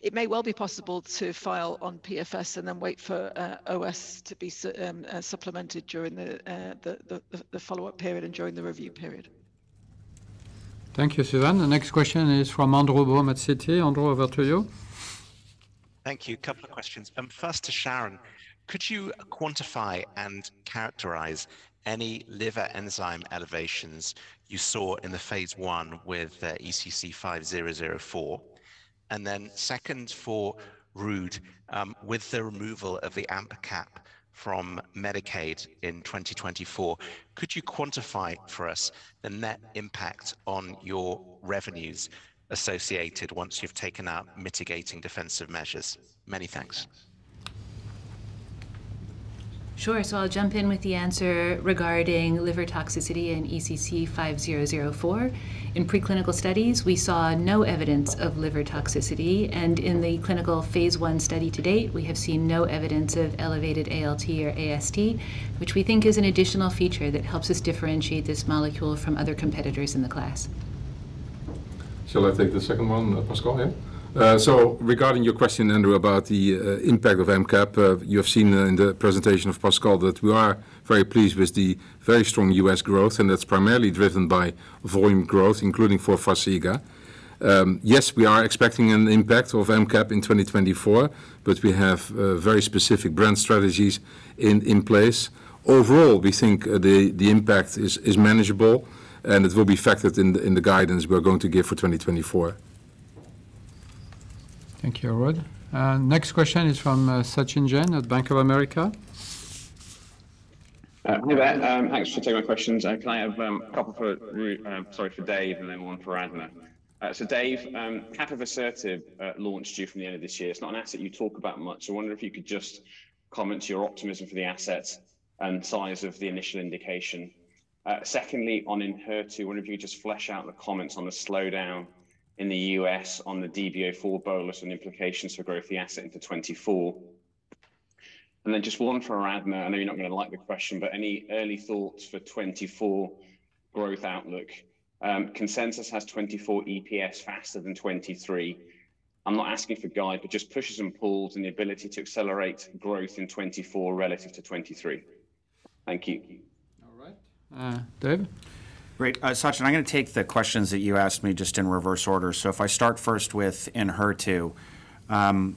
It may well be possible to file on PFS and then wait for OS to be supplemented during the follow-up period and during the review period. Thank you, Susan. The next question is from Andrew Baum at Citi. Andrew, over to you. Thank you. Couple of questions, first to Sharon. Could you quantify and characterize any liver enzyme elevations you saw in the Phase I with ECC 5004? And then second, for Ruud, with the removal of the AMP Cap from Medicaid in 2024, could you quantify for us the net impact on your revenues associated once you've taken out mitigating defensive measures? Many thanks. Sure. So I'll jump in with the answer regarding liver toxicity in ECC5004. In preclinical studies, we saw no evidence of liver toxicity, and in the clinical Phase I study to date, we have seen no evidence of elevated ALT or AST, which we think is an additional feature that helps us differentiate this molecule from other competitors in the class. Shall I take the second one, Pascal, yeah? So regarding your question, Andrew, about the impact of AMPCAP, you have seen in the presentation of Pascal that we are very pleased with the very strong US growth, and that's primarily driven by volume growth, including for Farxiga. Yes, we are expecting an impact of AMP Cap in 2024, but we have very specific brand strategies in place. Overall, we think the impact is manageable, and it will be factored in the guidance we're going to give for 2024. Thank you, Ruud. Next question is from Sachin Jain at Bank of America. Hi there. Thanks for taking my questions. Can I have a couple for Ruud. Sorry, for Dave, and then one for Arna? So Dave, capivasertib, launch due from the end of this year. It's not an asset you talk about much. So I wonder if you could just comment on your optimism for the asset and size of the initial indication. Secondly, on Enhertu, I wonder if you'd just flesh out the comments on the slowdown in the US on the DB-04 bolus and implications for growth of the asset into 2024. And then just one for Arna. I know you're not going to like the question, but any early thoughts for 2024 growth outlook? Consensus has 2024 EPS faster than 2023. I'm not asking for guidance, but just pushes and pulls and the ability to accelerate growth in 2024 relative to 2023. Thank you. All right. Dave? Great. Sachin, I'm going to take the questions that you asked me just in reverse order. So if I start first with Enhertu, when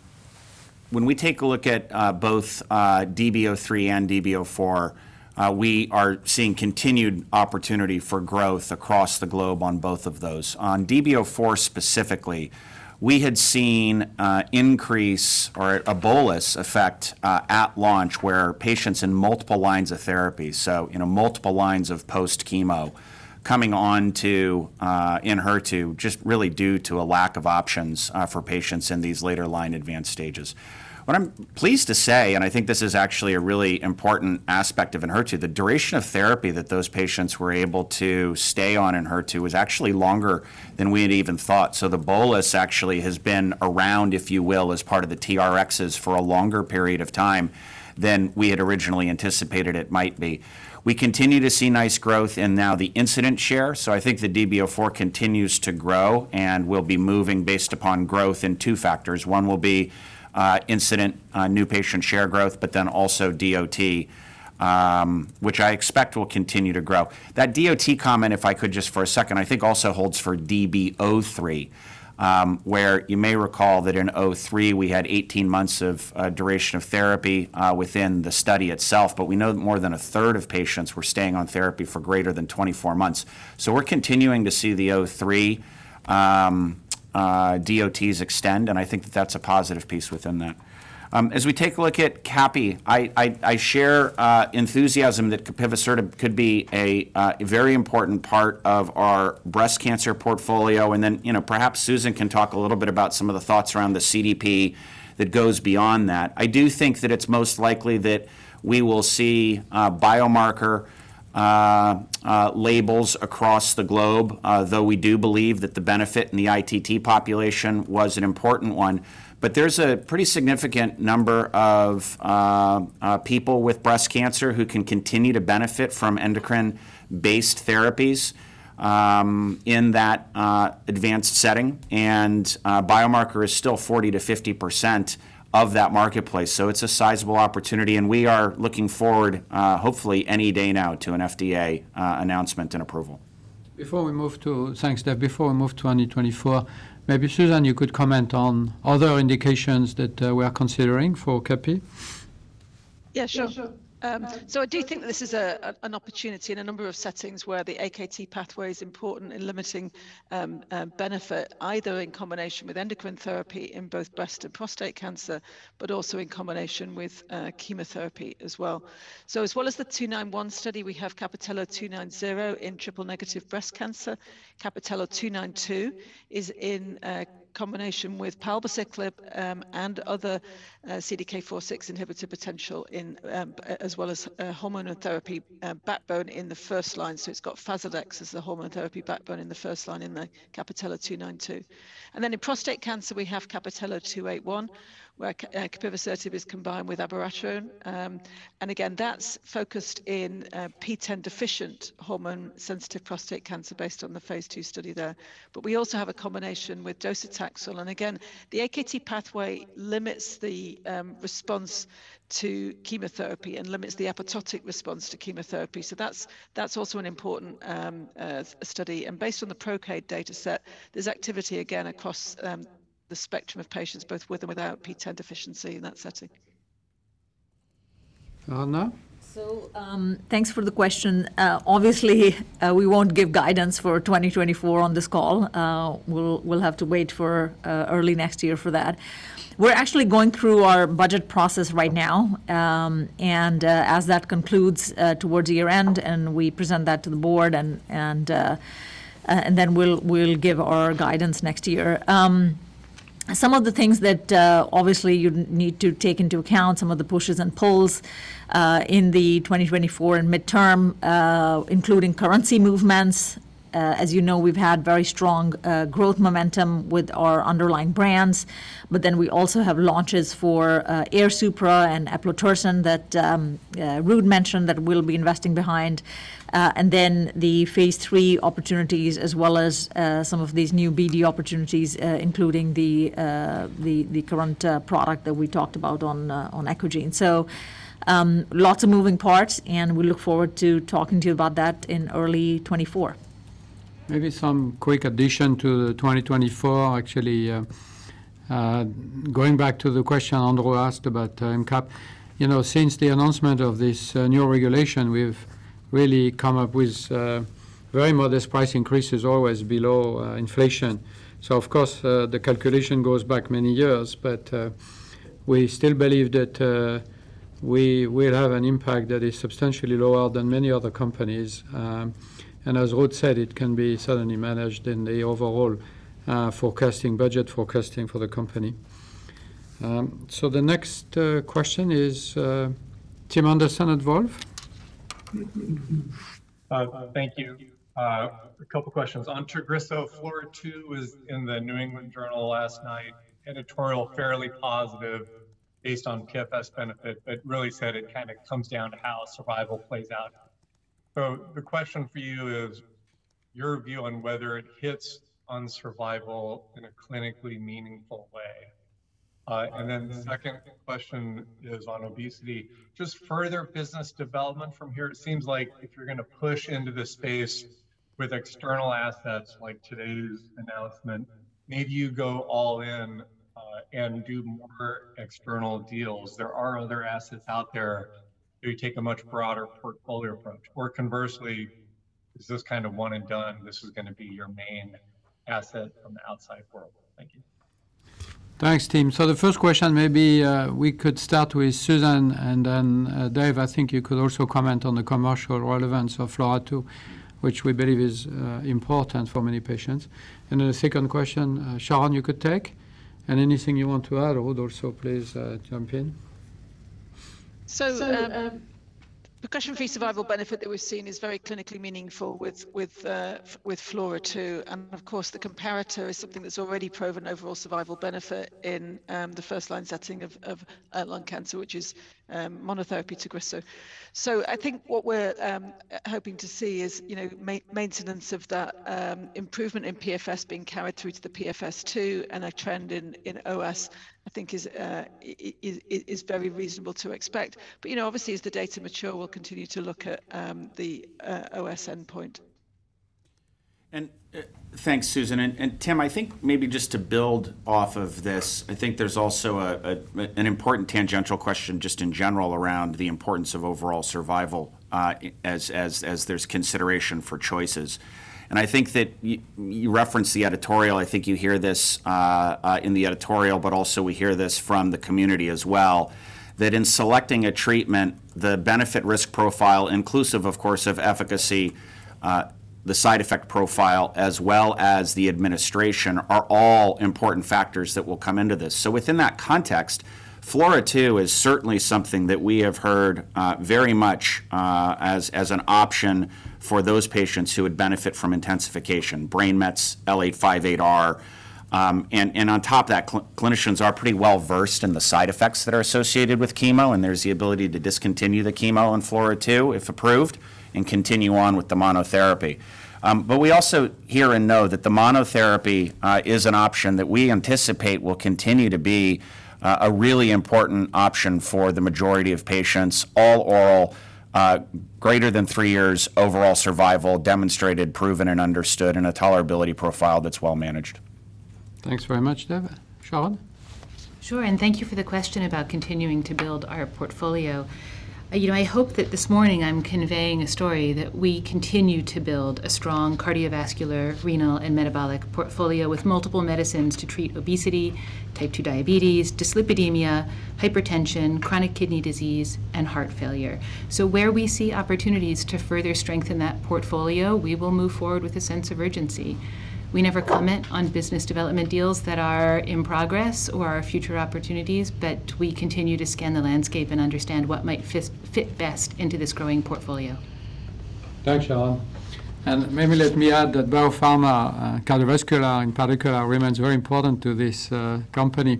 we take a look at both DB-03 and DB-04, we are seeing continued opportunity for growth across the globe on both of those. On DB-04 specifically, we had seen an increase or a bolus effect at launch where patients in multiple lines of therapy, so, you know, multiple lines of post-chemo coming on to Enhertu, just really due to a lack of options for patients in these later line advanced stages. What I'm pleased to say, and I think this is actually a really important aspect of Enhertu, the duration of therapy that those patients were able to stay on Enhertu was actually longer than we had even thought. So the bolus actually has been around, if you will, as part of the TRXs for a longer period of time than we had originally anticipated it might be. We continue to see nice growth in now the incident share, so I think the DB-04 continues to grow and will be moving based upon growth in two factors. One will be, incident, new patient share growth, but then also DOT, which I expect will continue to grow. That DOT comment, if I could just for a second, I think also holds for DB-03, where you may recall that in '03, we had 18 months of, duration of therapy, within the study itself, but we know that more than a third of patients were staying on therapy for greater than 24 months. So we're continuing to see the 2023 DOTs extend, and I think that that's a positive piece within that. As we take a look at Capy, I share enthusiasm that capivasertib could be a very important part of our breast cancer portfolio. And then, you know, perhaps Susan can talk a little bit about some of the thoughts around the CDP that goes beyond that. I do think that it's most likely that we will see biomarker labels across the globe, though we do believe that the benefit in the ITT population was an important one. But there's a pretty significant number of people with breast cancer who can continue to benefit from endocrine-based therapies, in that advanced setting, and biomarker is still 40%-50% of that marketplace. It's a sizable opportunity, and we are looking forward, hopefully any day now, to an FDA announcement and approval. Before we move to thanks, Dave. Before we move to 2024, maybe, Susan, you could comment on other indications that we are considering for CAPI? Yeah, sure. So I do think this is a, an, an opportunity in a number of settings where the AKT pathway is important in limiting a benefit, either in combination with endocrine therapy in both breast and prostate cancer, but also in combination with chemotherapy as well. So as well as the 291 study, we have CAPITELLO-290 in triple-negative breast cancer. CAPITELLO-292 is in combination with palbociclib and other CDK4/6 inhibitor potential as well as hormonal therapy backbone in the first line. So it's got Faslodex as the hormone therapy backbone in the first line in the CAPITELLO-292. And then in prostate cancer, we have CAPITELLO-281, where capivasertib is combined with abiraterone. And again, that's focused in PTEN-deficient, hormone-sensitive prostate cancer based on the Phase II study there. But we also have a combination with docetaxel. And again, the AKT pathway limits the response to chemotherapy and limits the apoptotic response to chemotherapy, so that's also an important study. And based on the ProCAID dataset, there's activity again across the spectrum of patients, both with or without PTEN deficiency in that setting. Aradhana? So, thanks for the question. Obviously, we won't give guidance for 2024 on this call. We'll have to wait for early next year for that. We're actually going through our budget process right now, and as that concludes towards the year-end, and we present that to the board, and then we'll give our guidance next year. Some of the things that obviously you need to take into account, some of the pushes and pulls in the 2024 and midterm, including currency movements. As you know, we've had very strong growth momentum with our underlying brands, but then we also have launches for Airsupra and eplontersen that Ruud mentioned that we'll be investing behind. And then the Phase III opportunities, as well as some of these new BD opportunities, including the current product that we talked about on Echosens. So, lots of moving parts, and we look forward to talking to you about that in early 2024. Maybe some quick addition to the 2024. Actually, going back to the question Andrew asked about, Cap. You know, since the announcement of this, new regulation, we've really come up with, very modest price increases, always below, inflation. So of course, the calculation goes back many years, but, we still believe that, we will have an impact that is substantially lower than many other companies. And as Ruud said, it can be certainly managed in the overall, forecasting, budget forecasting for the company. So the next, question is, Tim Anderson at Wolfe? Thank you. A couple questions. On Tagrisso, FLAURA2 was in the New England Journal last night. Editorial, fairly positive based on PFS benefit, but really said it kinda comes down to how survival plays out. So the question for you is, your view on whether it hits on survival in a clinically meaningful way? And then the second question is on obesity. Just further business development from here, it seems like if you're gonna push into this space with external assets like today's announcement, maybe you go all in, and do more external deals. There are other assets out there where you take a much broader portfolio approach, or conversely, is this kind of one and done, this is gonna be your main asset from the outside world? Thank you. Thanks, Tim. So the first question, maybe, we could start with Susan, and then, Dave, I think you could also comment on the commercial relevance of FLORA2, which we believe is important for many patients. And then the second question, Sharon, you could take, and anything you want to add, Ruud, also please, jump in. So, progression-free survival benefit that we've seen is very clinically meaningful with FLAURA2. And of course, the comparator is something that's already proven overall survival benefit in the first-line setting of lung cancer, which is monotherapy Tagrisso. So I think what we're hoping to see is, you know, maintenance of that improvement in PFS being carried through to the PFS2, and a trend in OS, I think, is very reasonable to expect. But, you know, obviously, as the data mature, we'll continue to look at the OS endpoint. And, thanks, Susan. And Tim, I think maybe just to build off of this, I think there's also a, an important tangential question just in general around the importance of overall survival, as there's consideration for choices. And I think that you referenced the editorial, I think you hear this, in the editorial, but also we hear this from the community as well, that in selecting a treatment, the benefit-risk profile, inclusive, of course, of efficacy, the side effect profile, as well as the administration, are all important factors that will come into this. So within that context, FLORA2 is certainly something that we have heard, very much, as an option for those patients who would benefit from intensification, brain mets, L858R. And on top of that, clinicians are pretty well-versed in the side effects that are associated with chemo, and there's the ability to discontinue the chemo in FLAURA2, if approved, and continue on with the monotherapy. But we also hear and know that the monotherapy is an option that we anticipate will continue to be a really important option for the majority of patients, all oral, greater than three years overall survival, demonstrated, proven, and understood, and a tolerability profile that's well managed. Thanks very much, Dave. Sharon? Sure. And thank you for the question about continuing to build our portfolio. You know, I hope that this morning I'm conveying a story that we continue to build a strong cardiovascular, renal, and metabolic portfolio with multiple medicines to treat obesity, type 2 diabetes, dyslipidemia, hypertension, chronic kidney disease, and heart failure. So where we see opportunities to further strengthen that portfolio, we will move forward with a sense of urgency. We never comment on business development deals that are in progress or are future opportunities, but we continue to scan the landscape and understand what might fit best into this growing portfolio. Thanks, Sharon. Maybe let me add that BioPharma, cardiovascular in particular, remains very important to this company.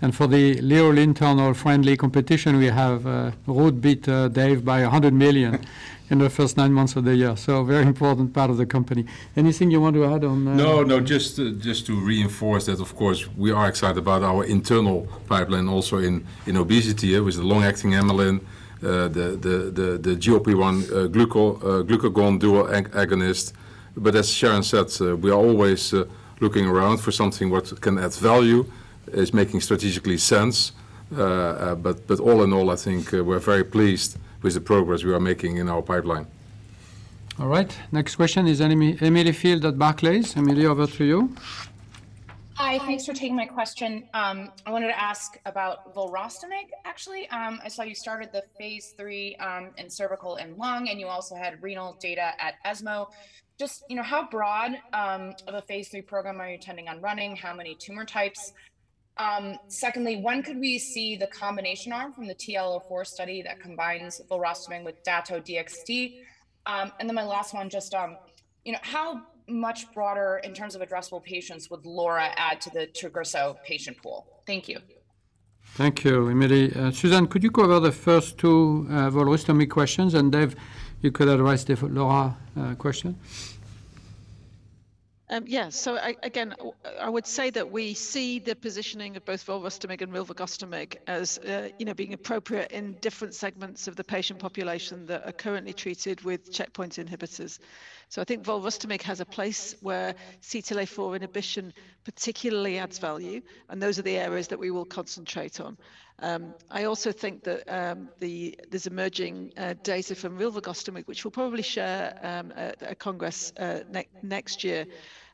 And for the little internal friendly competition, we have Ruud beat Dave by $100 million in the first nine months of the year, so a very important part of the company. Anything you want to add on. No, no, just to reinforce that, of course, we are excited about our internal pipeline, also in obesity, with the long-acting amylin, the GLP-1 glucagon dual agonist. But as Sharon said, we are always looking around for something what can add value, is making strategically sense. But all in all, I think, we're very pleased with the progress we are making in our pipeline. All right. Next question is Emmy, Emily Field at Barclays. Emily, over to you. Hi, thanks for taking my question. I wanted to ask about Volrustomig, actually. I saw you started the Phase III in cervical and lung, and you also had renal data at ESMO. Just, you know, how broad of a Phase III program are you intending on running? How many tumor types? Secondly, when could we see the combination arm from the TLO4 study that combines Volrustomig with Dato-DXd? And then my last one, just, you know, how much broader in terms of addressable patients would LORA add to the Tagrisso patient pool? Thank you. Thank you, Emily. Susan, could you go over the first two Volrustomig questions, and Dave, you could address the Lynparza question? Yeah. So again, I would say that we see the positioning of both Volrustomig and rilvegostomig as, you know, being appropriate in different segments of the patient population that are currently treated with checkpoint inhibitors. So I think Volrustomig has a place where CTLA-4 inhibition particularly adds value, and those are the areas that we will concentrate on. I also think that there's emerging data from rilvegostomig, which we'll probably share at Congress next year.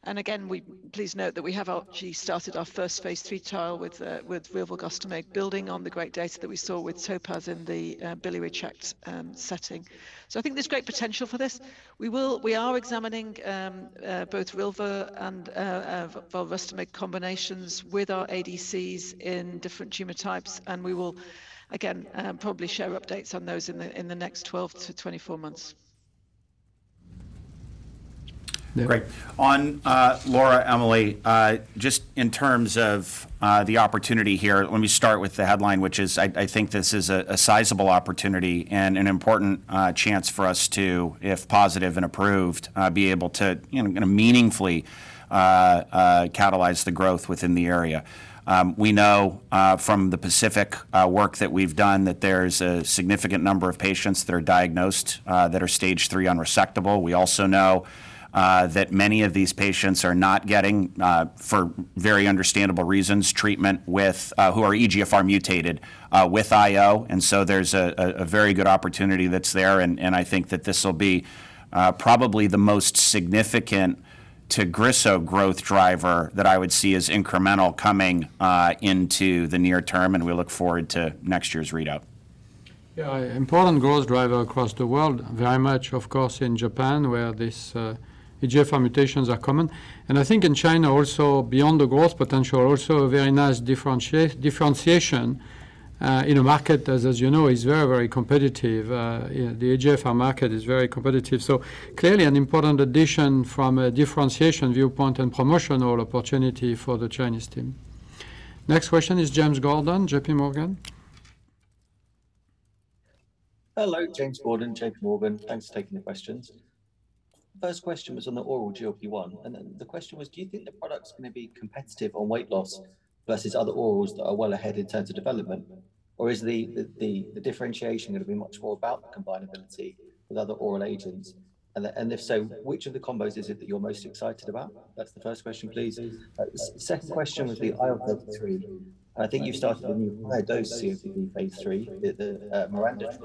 And again, please note that we have actually started our first Phase III trial with rilvegostomig, building on the great data that we saw with TOPAZ in the biliary tract setting. So I think there's great potential for this. We are examining both rilvegostomig and Volrustomig combinations with our ADCs in different tumor types, and we will, again, probably share updates on those in the next 12-24 months. Great. On Laura, Emily, just in terms of the opportunity here, let me start with the headline, which is I think this is a sizable opportunity and an important chance for us to, if positive and approved, be able to, you know, gonna meaningfully catalyze the growth within the area. We know from the PACIFIC work that we've done that there's a significant number of patients that are diagnosed that are stage three unresectable. We also know that many of these patients are not getting, for very understandable reasons, treatment with who are EGFR mutated with IO. And so there's a very good opportunity that's there, and I think that this will be probably the most significant Tagrisso growth driver that I would see as incremental coming into the near term, and we look forward to next year's readout. Yeah, important growth driver across the world. Very much, of course, in Japan, where this, EGFR mutations are common. And I think in China also, beyond the growth potential, also a very nice differentiation in a market, as you know, is very, very competitive. You know, the EGFR market is very competitive. So clearly, an important addition from a differentiation viewpoint and promotional opportunity for the Chinese team. Next question is James Gordon, JPMorgan. Hello, James Gordon, JPMorgan. Thanks for taking the questions. First question was on the oral GLP-1, and then the question was: Do you think the product's gonna be competitive on weight loss versus other orals that are well ahead in terms of development? Or is the differentiation gonna be much more about the combinability with other oral agents? And if so, which of the combos is it that you're most excited about? That's the first question, please. Second question was the IL-33. I think you've started a new high-dose Phase III, the MIRANDA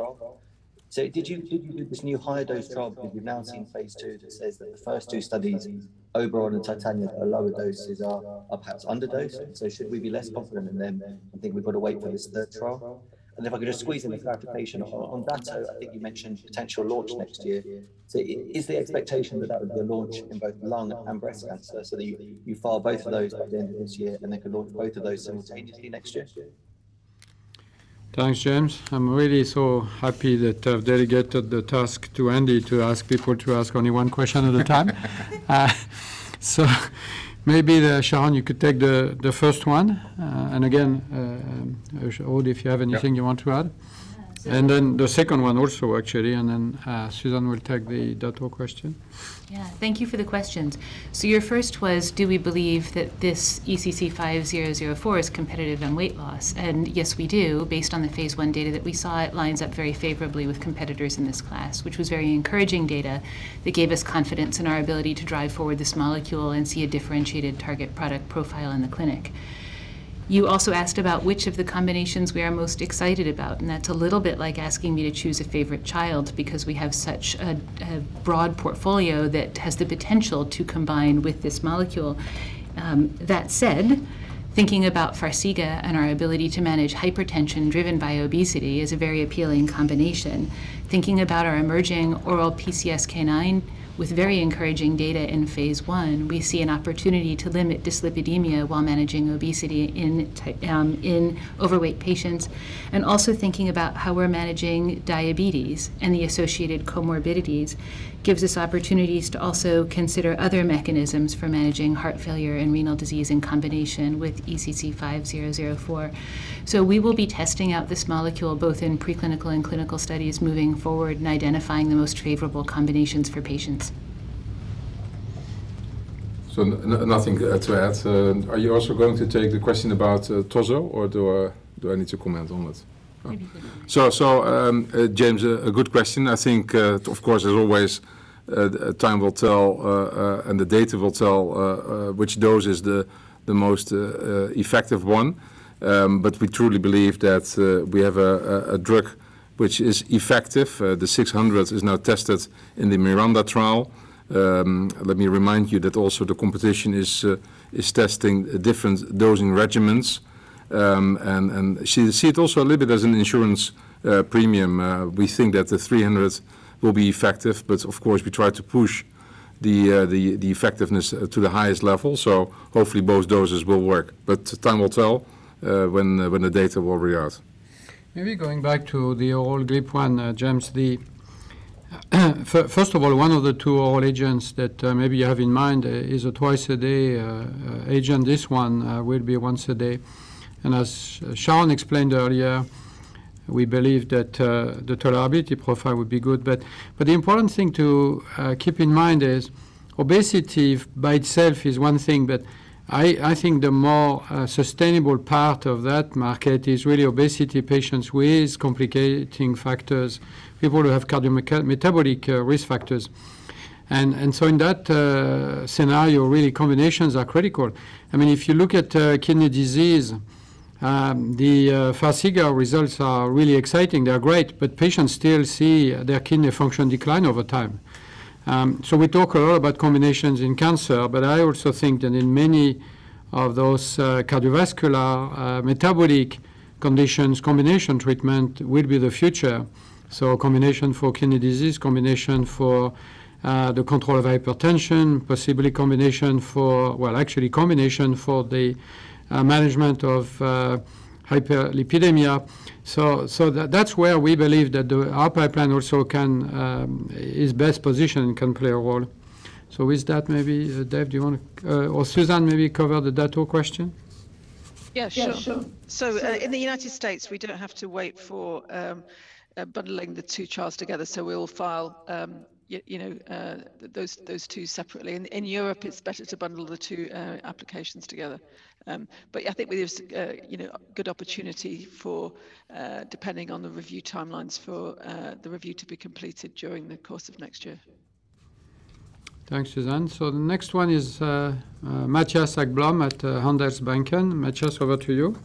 trial. So with this new higher-dose trial, we've now seen Phase II that says that the first two studies, Oberon and TITANIUM, at lower doses are perhaps underdosed. So should we be less confident in them, and think we've got to wait for this third trial? If I could just squeeze in a clarification on Dato-DXd, I think you mentioned potential launch next year. So is the expectation that would be a launch in both lung and breast cancer, so that you, you file both of those by the end of this year and then can launch both of those simultaneously next year? Thanks, James. I'm really so happy that I've delegated the task to Andy to ask people to ask only one question at a time. So maybe, Sharon, you could take the first one, and again, Aradhna, if you have anything- Yeah -you want to add. Then the second one also, actually, and then, Susan will take the Dato question. Yeah. Thank you for the questions. So your first was: Do we believe that this ECC5004 is competitive on weight loss? And yes, we do. Based on the Phase I data that we saw, it lines up very favorably with competitors in this class, which was very encouraging data that gave us confidence in our ability to drive forward this molecule and see a differentiated target product profile in the clinic. You also asked about which of the combinations we are most excited about, and that's a little bit like asking me to choose a favorite child because we have such a broad portfolio that has the potential to combine with this molecule. That said, thinking about Farxiga and our ability to manage hypertension driven by obesity is a very appealing combination. Thinking about our emerging oral PCSK9 with very encouraging data in Phase I, we see an opportunity to limit dyslipidemia while managing obesity in overweight patients. Also thinking about how we're managing diabetes and the associated comorbidities, gives us opportunities to also consider other mechanisms for managing heart failure and renal disease in combination with ECC5004. We will be testing out this molecule both in preclinical and clinical studies moving forward and identifying the most favorable combinations for patients. So nothing to add. Are you also going to take the question about TOZO, or do I, do I need to comment on it? Maybe you. James, a good question. I think, of course, as always, time will tell, and the data will tell which dose is the most effective one. But we truly believe that we have a drug which is effective. The 600 is now tested in the MIRANDA trial. Let me remind you that also the competition is testing different dosing regimens. And see it also a little bit as an insurance premium. We think that the 300 will be effective, but of course, we try to push the effectiveness to the highest level, so hopefully both doses will work. But time will tell when the data will be out. Maybe going back to the oral GLP-1, James, first of all, one of the two oral agents that maybe you have in mind is a twice-a-day agent. This one will be once a day. And as Sharon explained earlier, we believe that the tolerability profile would be good. But the important thing to keep in mind is obesity by itself is one thing, but I think the more sustainable part of that market is really obesity patients with complicating factors, people who have cardiometabolic risk factors. And so in that scenario, really, combinations are critical. I mean, if you look at kidney disease, the Farxiga results are really exciting. They are great, but patients still see their kidney function decline over time. So we talk a lot about combinations in cancer, but I also think that in many of those cardiovascular, metabolic conditions, combination treatment will be the future. So a combination for kidney disease, combination for the control of hypertension, possibly combination for. Well, actually, combination for the management of hyperlipidemia. So that's where we believe that our pipeline also can is best positioned and can play a role. So with that, maybe Dave, do you want to or Susan, maybe cover the Dato question? Yeah, sure. So, in the United States, we don't have to wait for bundling the two trials together, so we'll file, you know, those, those two separately. In Europe, it's better to bundle the two applications together. But yeah, I think there's you know, a good opportunity for, depending on the review timelines, for the review to be completed during the course of next year. Thanks, Susan. So the next one is, Mattias Häggblom at, Handelsbanken. Matthias, over to you.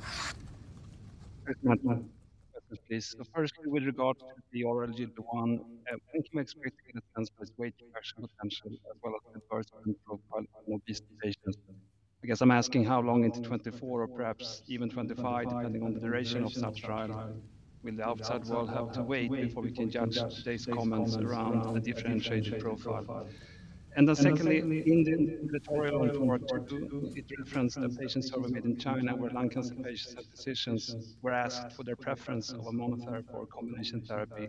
Thanks, Mattias. So first, with regard to the oral GLP-1, when can we expect to get a sense for its weight reduction potential, as well as the adverse clinical profile in obese patients? I guess I'm asking how long into 2024 or perhaps even 2025, depending on the duration of that trial, will the outside world have to wait before we can judge today's comments around the differentiated profile? And then secondly, in the ADAURA trial, it referenced a patient survey made in China where lung cancer patients and physicians were asked for their preference of a monotherapy or combination therapy.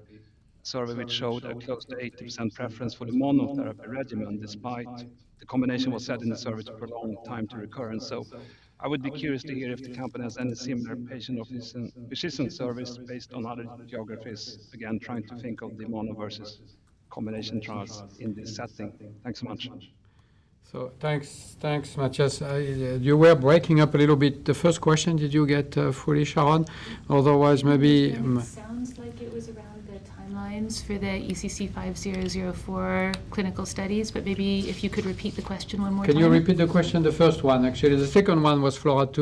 Survey which showed a close to 80% preference for the monotherapy regimen, despite the combination was set in the survey to prolong the time to recurrence. I would be curious to hear if the company has any similar patient preference and decision surveys based on other geographies, again, trying to think of the mono versus combination trials in this setting. Thanks so much. So thanks, thanks, Mattias. You were breaking up a little bit. The first question, did you get fully, Sharon? Otherwise, maybe- It sounds like it was around the timelines for the ECC-five-zero-zero-four clinical studies, but maybe if you could repeat the question one more time. Can you repeat the question, the first one, actually? The second one was Flora2,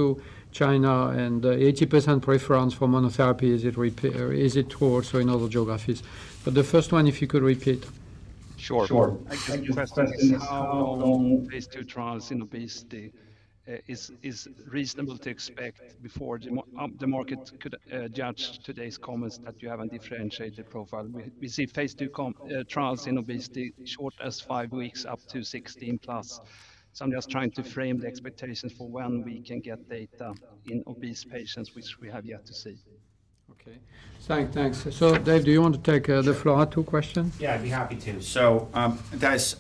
China, and 80% preference for monotherapy. Is it true also in other geographies? But the first one, if you could repeat. Sure, sure. I just asked how long these two trials in obesity is reasonable to expect before the market could judge today's comments that you have a differentiated profile. We see Phase II trials in obesity, short as five weeks, up to 16+. So I'm just trying to frame the expectations for when we can get data in obese patients, which we have yet to see. Okay. Thanks. So, Dave, do you want to take the Flora2 question? Yeah, I'd be happy to. So, guys,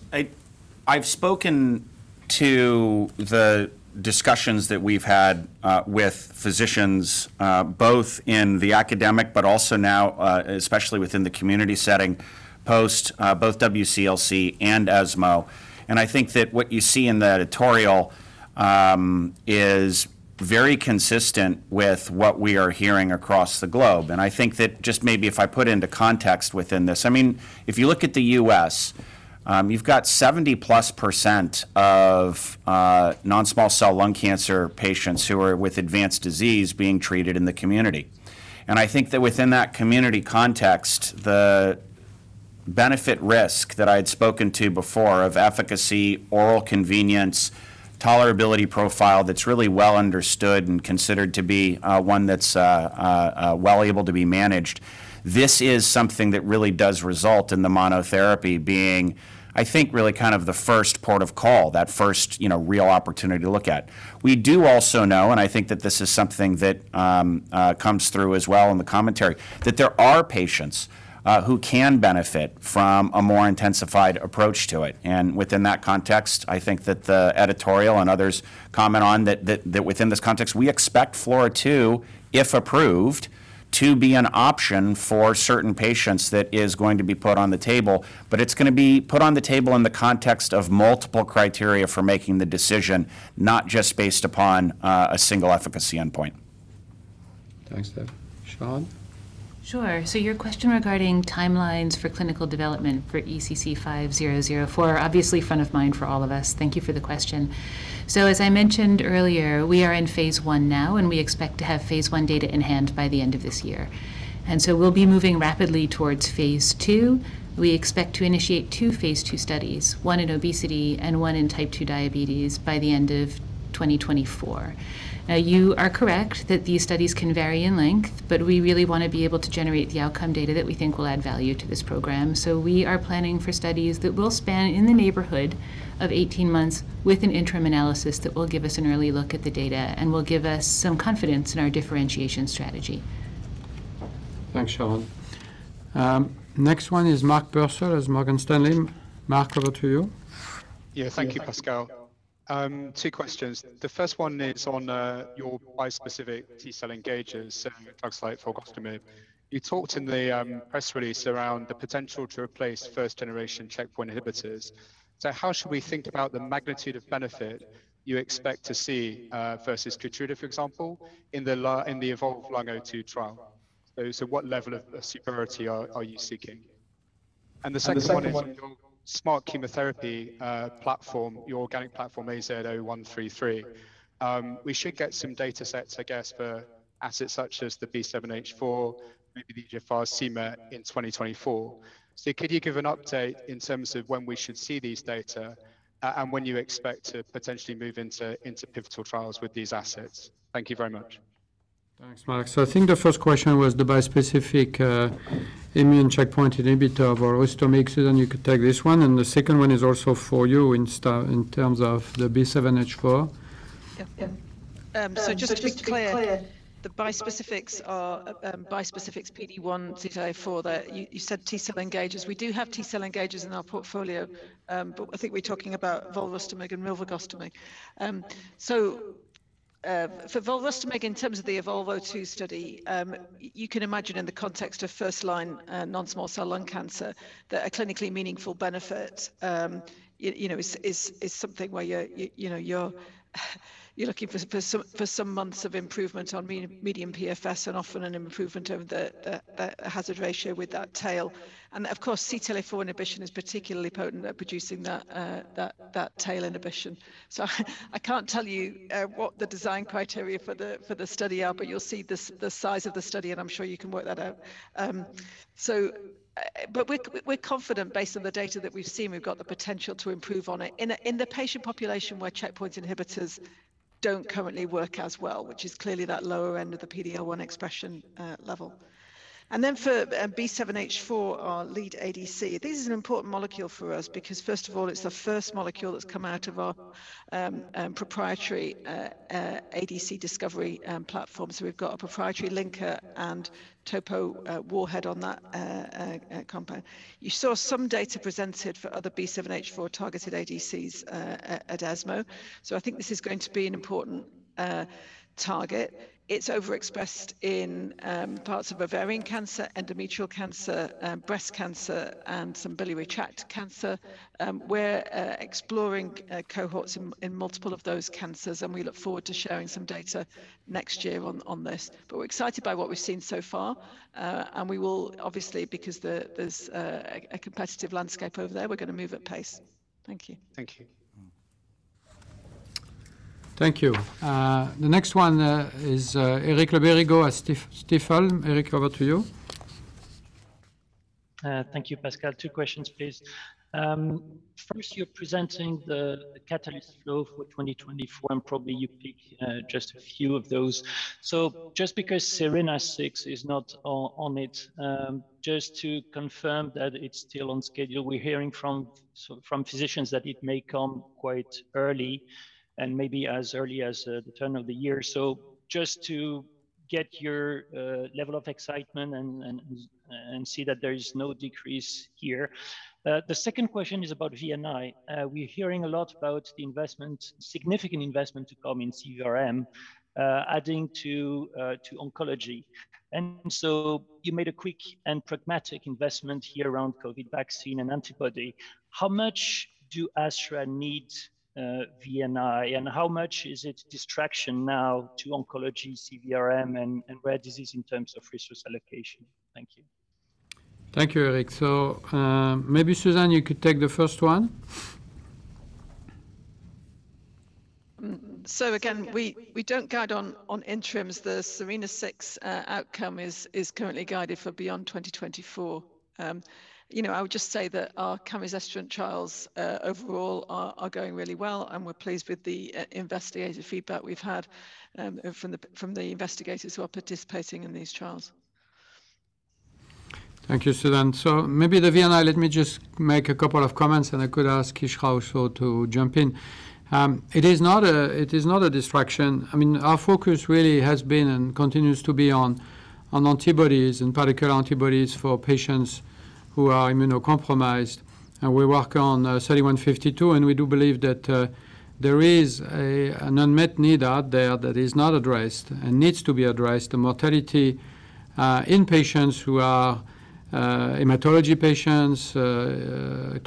I've spoken to the discussions that we've had with physicians, both in the academic, but also now, especially within the community setting, post both WCLC and ESMO. And I think that what you see in the editorial is very consistent with what we are hearing across the globe. And I think that just maybe if I put into context within this, I mean, if you look at the US, you've got 70%+ of non-small cell lung cancer patients who are with advanced disease being treated in the community. And I think that within that community context, the benefit risk that I'd spoken to before of efficacy, oral convenience, tolerability profile, that's really well understood and considered to be one that's well able to be managed. This is something that really does result in the monotherapy being, I think, really kind of the first port of call, that first, you know, real opportunity to look at. We do also know, and I think that this is something that comes through as well in the commentary, that there are patients who can benefit from a more intensified approach to it. And within that context, I think that the editorial and others comment on that within this context, we expect Flora2, if approved, to be an option for certain patients that is going to be put on the table. But it's going to be put on the table in the context of multiple criteria for making the decision, not just based upon a single efficacy endpoint. Thanks, Dave. Sharon? Sure. So your question regarding timelines for clinical development for ECC5004, obviously front of mind for all of us. Thank you for the question. So, as I mentioned earlier, we are in Phase I now, and we expect to have Phase I data in hand by the end of this year. And so we'll be moving rapidly towards Phase II. We expect to initiate two Phase II studies, one in obesity and one in type 2 diabetes, by the end of 2024. Now, you are correct that these studies can vary in length, but we really want to be able to generate the outcome data that we think will add value to this program. We are planning for studies that will span in the neighborhood of 18 months with an interim analysis that will give us an early look at the data and will give us some confidence in our differentiation strategy. Thanks, Sharon. Next one is Mark Purcell of Morgan Stanley. Mark, over to you. Yeah. Thank you, Pascal. Two questions. The first one is on your bispecific T-cell engagers, drugs like Volrustomig. You talked in the press release around the potential to replace first-generation checkpoint inhibitors. So how should we think about the magnitude of benefit you expect to see versus Keytruda, for example, in the EVOLUTION Lung-02 trial? So what level of superiority are you seeking? And the second one is on your smart chemotherapy platform, your organic platform, AZD-0133. We should get some data sets, I guess, for assets such as B7-H4, maybe GFAR CIMA in 2024. So could you give an update in terms of when we should see these data and when you expect to potentially move into pivotal trials with these assets? Thank you very much. Thanks, Mark. So I think the first question was the bispecific immune checkpoint inhibitor, Volrustomig. Susan, you could take this one, and the second one is also for you in terms of the B7-H4. Yeah. So just to be clear, the bispecifics are bispecifics PD-1, CTLA-4, that you said T-cell engagers. We do have T-cell engagers in our portfolio, but I think we're talking about Volrustomig and rilvegostomig. So for Volrustomig, in terms of the Evolvo Two study, you can imagine in the context of first-line, non-small cell lung cancer, that a clinically meaningful benefit, it, you know, is, is, is something where you're, you know, you're, you're looking for some, for some months of improvement on medium PFS and often an improvement over the hazard ratio with that tail. And of course, CTLA-4 inhibition is particularly potent at producing that, that tail inhibition. So I can't tell you, what the design criteria for the study are, but you'll see the size of the study, and I'm sure you can work that out. So, but we're we're confident based on the data that we've seen, we've got the potential to improve on it. In the patient population where checkpoint inhibitors don't currently work as well, which is clearly that lower end of the PD-L1 expression level. And then for B7-H4, our lead ADC, this is an important molecule for us because first of all, it's the first molecule that's come out of our proprietary ADC discovery platform. So we've got a proprietary linker and topo warhead on that compound. You saw some data presented for other B7-H4-targeted ADCs at ESMO. So I think this is going to be an important target. It's overexpressed in parts of ovarian cancer, endometrial cancer, breast cancer, and some biliary tract cancer. We're exploring cohorts in multiple of those cancers, and we look forward to sharing some data next year on this. But we're excited by what we've seen so far, and we will obviously, because there's a competitive landscape over there, we're going to move at pace. Thank you. Thank you. Thank you. The next one is Eric Le Berrigaud at Stifel. Eric, over to you. Thank you, Pascal. Two questions, please. First, you're presenting the catalyst flow for 2024, and probably you pick just a few of those. So just because SERENA-6 is not on it, just to confirm that it's still on schedule. We're hearing from physicians that it may come quite early and maybe as early as the turn of the year. So just to get your level of excitement and see that there is no decrease here. The second question is about VNI. We're hearing a lot about the significant investment to come in CVRM, adding to oncology. And so you made a quick and pragmatic investment here around COVID vaccine and antibody. How much do AstraZeneca need VNI, and how much is it distraction now to oncology, CVRM, and rare disease in terms of resource allocation? Thank you. Thank you, Eric. So, maybe, Susan, you could take the first one. So again, we don't guide on interims. The SERENA-6 outcome is currently guided for beyond 2024. You know, I would just say that our camizestrant trials overall are going really well, and we're pleased with the investigator feedback we've had from the investigators who are participating in these trials. Thank you, Susan. So maybe the VNI, let me just make a couple of comments, and I could ask Iskra also to jump in. It is not a distraction. I mean, our focus really has been and continues to be on antibodies, in particular, antibodies for patients who are immunocompromised. And we work on AZD3152, and we do believe that there is an unmet need out there that is not addressed and needs to be addressed. The mortality in patients who are hematology patients,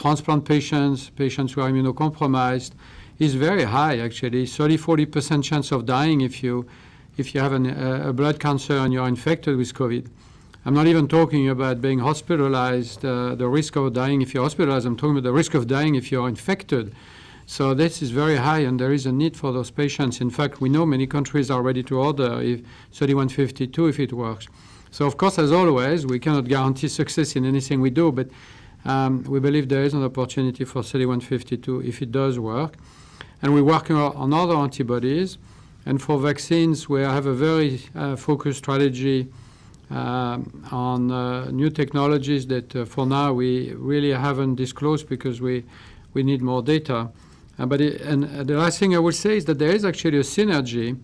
transplant patients, patients who are immunocompromised, is very high, actually. 30%-40% chance of dying if you have a blood cancer and you are infected with COVID. I'm not even talking about being hospitalized, the risk of dying if you're hospitalized. I'm talking about the risk of dying if you are infected. So this is very high, and there is a need for those patients. In fact, we know many countries are ready to order if 3152, if it works. So of course, as always, we cannot guarantee success in anything we do, but we believe there is an opportunity for 3152 if it does work. And we're working on other antibodies, and for vaccines, we have a very focused strategy on new technologies that for now we really haven't disclosed because we need more data. And the last thing I would say is that there is actually a synergy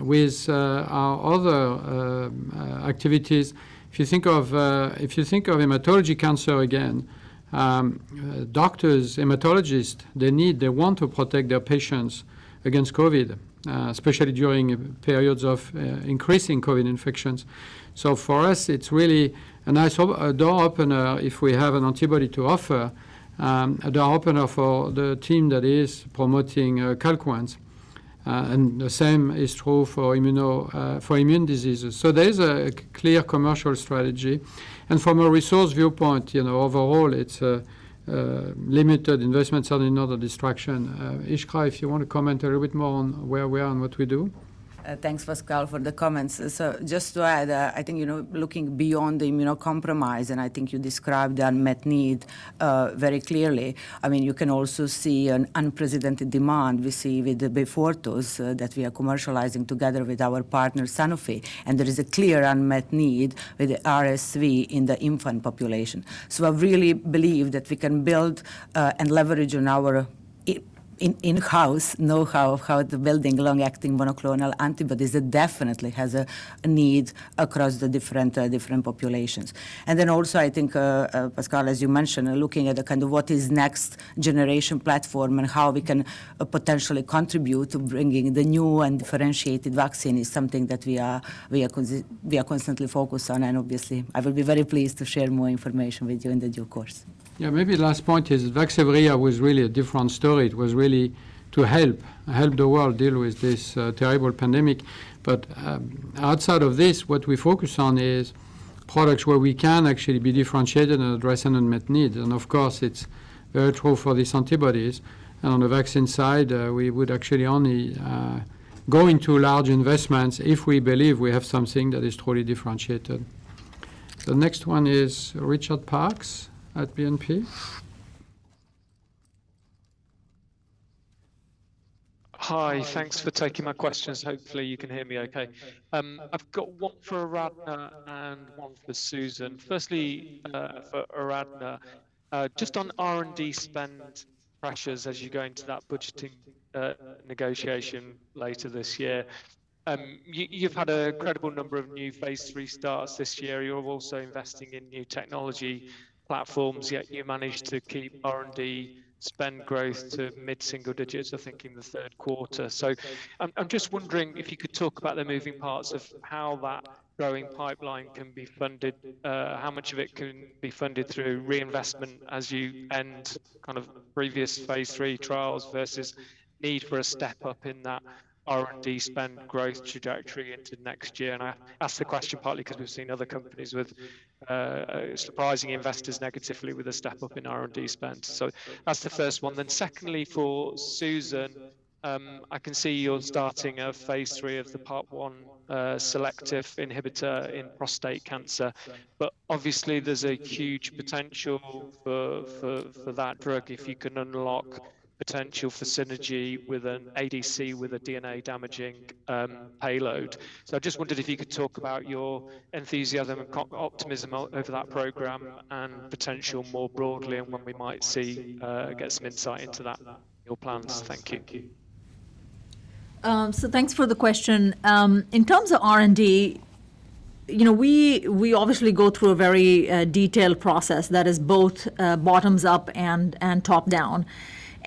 with our other activities. If you think of hematology cancer, again, doctors, hematologists, they need, they want to protect their patients against COVID, especially during periods of increasing COVID infections. So for us, it's really a nice a door opener if we have an antibody to offer, a door opener for the team that is promoting Calquence. And the same is true for immuno, for immune diseases. So there is a clear commercial strategy, and from a resource viewpoint, you know, overall, it's a limited investment, certainly not a distraction. Ishka, if you want to comment a little bit more on where we are and what we do? Thanks, Pascal, for the comments. So just to add, I think, you know, looking beyond the immunocompromise, and I think you described the unmet need very clearly. I mean, you can also see an unprecedented demand we see with the Beyfortus that we are commercializing together with our partner, Sanofi. And there is a clear unmet need with the RSV in the infant population. So I really believe that we can build and leverage on our in-house know-how of how the building long-acting monoclonal antibodies, it definitely has a need across the different, different populations. And then also, I think, Pascal, as you mentioned, looking at the kind of what is next generation platform and how we can potentially contribute to bringing the new and differentiated vaccine, is something that we are constantly focused on, and obviously, I will be very pleased to share more information with you in the due course. Yeah, maybe the last point is Vaxzevria was really a different story. It was really to help the world deal with this terrible pandemic. But outside of this, what we focus on is products where we can actually be differentiated and address unmet needs. And of course, it's very true for these antibodies. And on the vaccine side, we would actually only go into large investments if we believe we have something that is totally differentiated. The next one is Richard Parkes at BNP. Hi, thanks for taking my questions. Hopefully, you can hear me okay. I've got one for Aradhana and one for Susan. Firstly, for Aradhana, just on R&D spend pressures as you go into that budgeting, negotiation later this year. You've had an incredible number of new Phase III starts this year. You're also investing in new technology platforms, yet you managed to keep R&D spend growth to mid-single digits, I think, in the Q3. So I'm just wondering if you could talk about the moving parts of how that growing pipeline can be funded, how much of it can be funded through reinvestment as you end kind of previous Phase III trials versus need for a step-up in that R&D spend growth trajectory into next year? I ask the question partly 'cause we've seen other companies with, surprising investors negatively with a step-up in R&D spend. That's the first one. Secondly, for Susan, I can see you're starting a Phase III of the PARP1 selective inhibitor in prostate cancer. Obviously, there's a huge potential for that drug if you can unlock potential for synergy with an ADC, with a DNA-damaging payload. I just wondered if you could talk about your enthusiasm and optimism over that program and potential more broadly, and when we might see get some insight into that your plans. Thank you. So thanks for the question. In terms of R&D, you know, we obviously go through a very detailed process that is both bottoms up and top-down.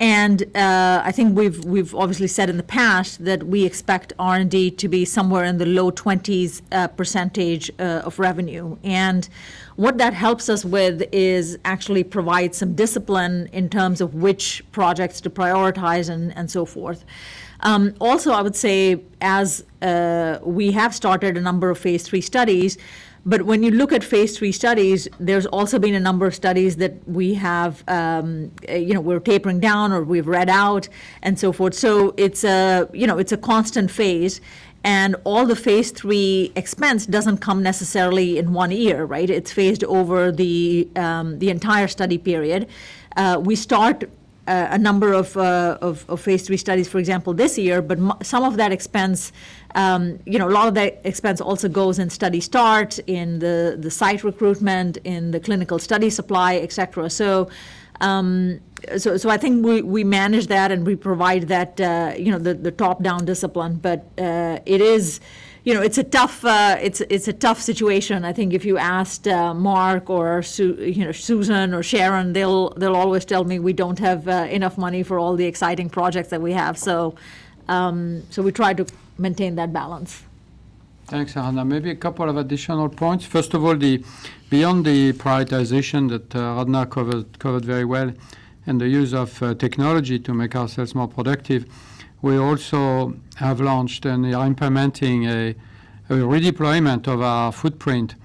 And I think we've obviously said in the past that we expect R&D to be somewhere in the low 20s% of revenue. And what that helps us with is actually provide some discipline in terms of which projects to prioritize and so forth. Also, I would say as we have started a number of Phase III studies, but when you look at Phase III studies, there's also been a number of studies that we have, you know, we're tapering down or we've read out and so forth. So it's a, you know, it's a constant phase, and all the Phase III expense doesn't come necessarily in one year, right? It's faced over the entire study period. We start a number of Phase III studies, for example, this year, but some of that expense, you know, a lot of that expense also goes in study start, in the site recruitment, in the clinical study supply, et cetera. So, I think we manage that, and we provide that, you know, the top-down discipline. But it is you know, it's a tough situation. I think if you asked Mark or Su, you know, Susan, or Sharon, they'll always tell me, "We don't have enough money for all the exciting projects that we have." So, so we try to maintain that balance. Thanks, Aradhana. Maybe a couple of additional points. First of all, beyond the prioritization that Aradhana covered very well and the use of technology to make ourselves more productive, we also have launched and are implementing a redeployment of our footprint.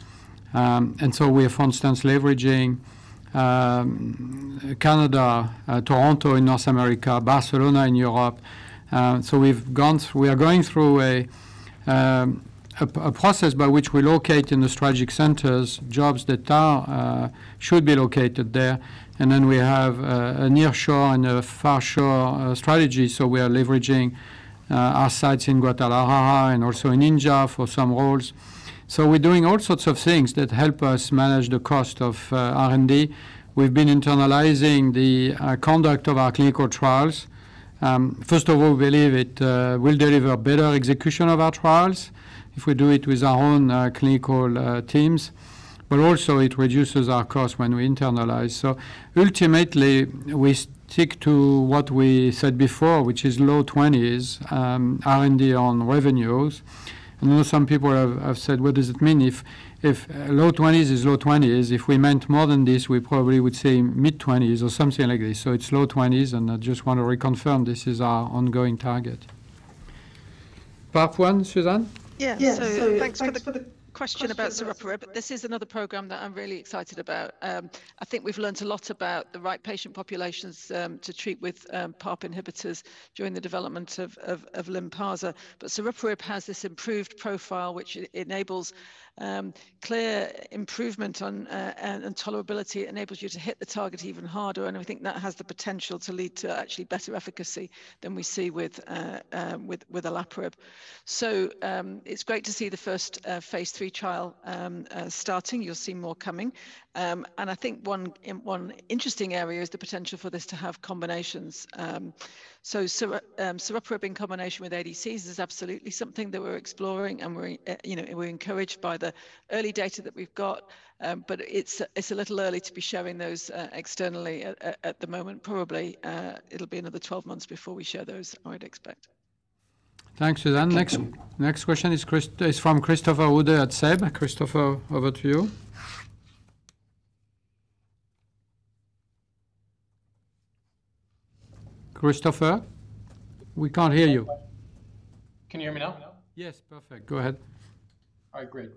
And so we are, for instance, leveraging Canada, Toronto in North America, Barcelona in Europe. So we are going through a process by which we locate in the strategic centers jobs that should be located there. And then we have a nearshore and a far shore strategy, so we are leveraging our sites in Guadalajara and also in India for some roles. So we're doing all sorts of things that help us manage the cost of R&D. We've been internalizing the conduct of our clinical trials. First of all, we believe it will deliver better execution of our trials if we do it with our own clinical teams, but also it reduces our cost when we internalize. So ultimately, we stick to what we said before, which is low 20s R&D on revenues. I know some people have said: "What does it mean if low 20s is low 20s?" If we meant more than this, we probably would say mid-20s or something like this. So it's low 20s, and I just want to reconfirm this is our ongoing target. Part I, Susan? Yeah. Yeah, so thanks for the question about saruparib. This is another program that I'm really excited about. I think we've learned a lot about the right patient populations to treat with PARP inhibitors during the development of Lynparza. But saruparib has this improved profile, which enables clear improvement on and tolerability, enables you to hit the target even harder, and I think that has the potential to lead to actually better efficacy than we see with olaparib. So, it's great to see the first Phase III trial starting. You'll see more coming. And I think one interesting area is the potential for this to have combinations. So, saruparib in combination with ADCs is absolutely something that we're exploring, and we're, you know, we're encouraged by the early data that we've got, but it's a little early to be sharing those externally at the moment. Probably, it'll be another 12 months before we share those, I'd expect. Thanks, Susan. Next, next question is from Christopher Uhde at SEB. Christopher, over to you. Christopher, we can't hear you. Can you hear me now? Yes. Perfect. Go ahead. All right, great.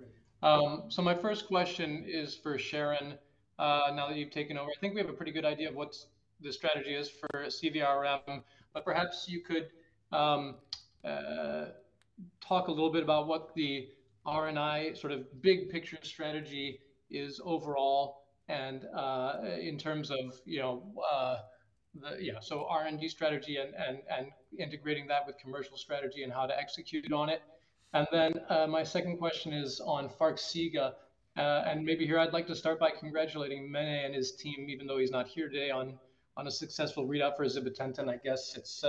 So my first question is for Sharon. Now that you've taken over, I think we have a pretty good idea of what the strategy is for CVRM, but perhaps you could talk a little bit about what the R&I sort of big picture strategy is overall and in terms of, you know, R&D strategy and integrating that with commercial strategy and how to execute on it. And then my second question is on Farxiga, and maybe here I'd like to start by congratulating Mene and his team, even though he's not here today, on a successful readout for the DELIVER and I guess it's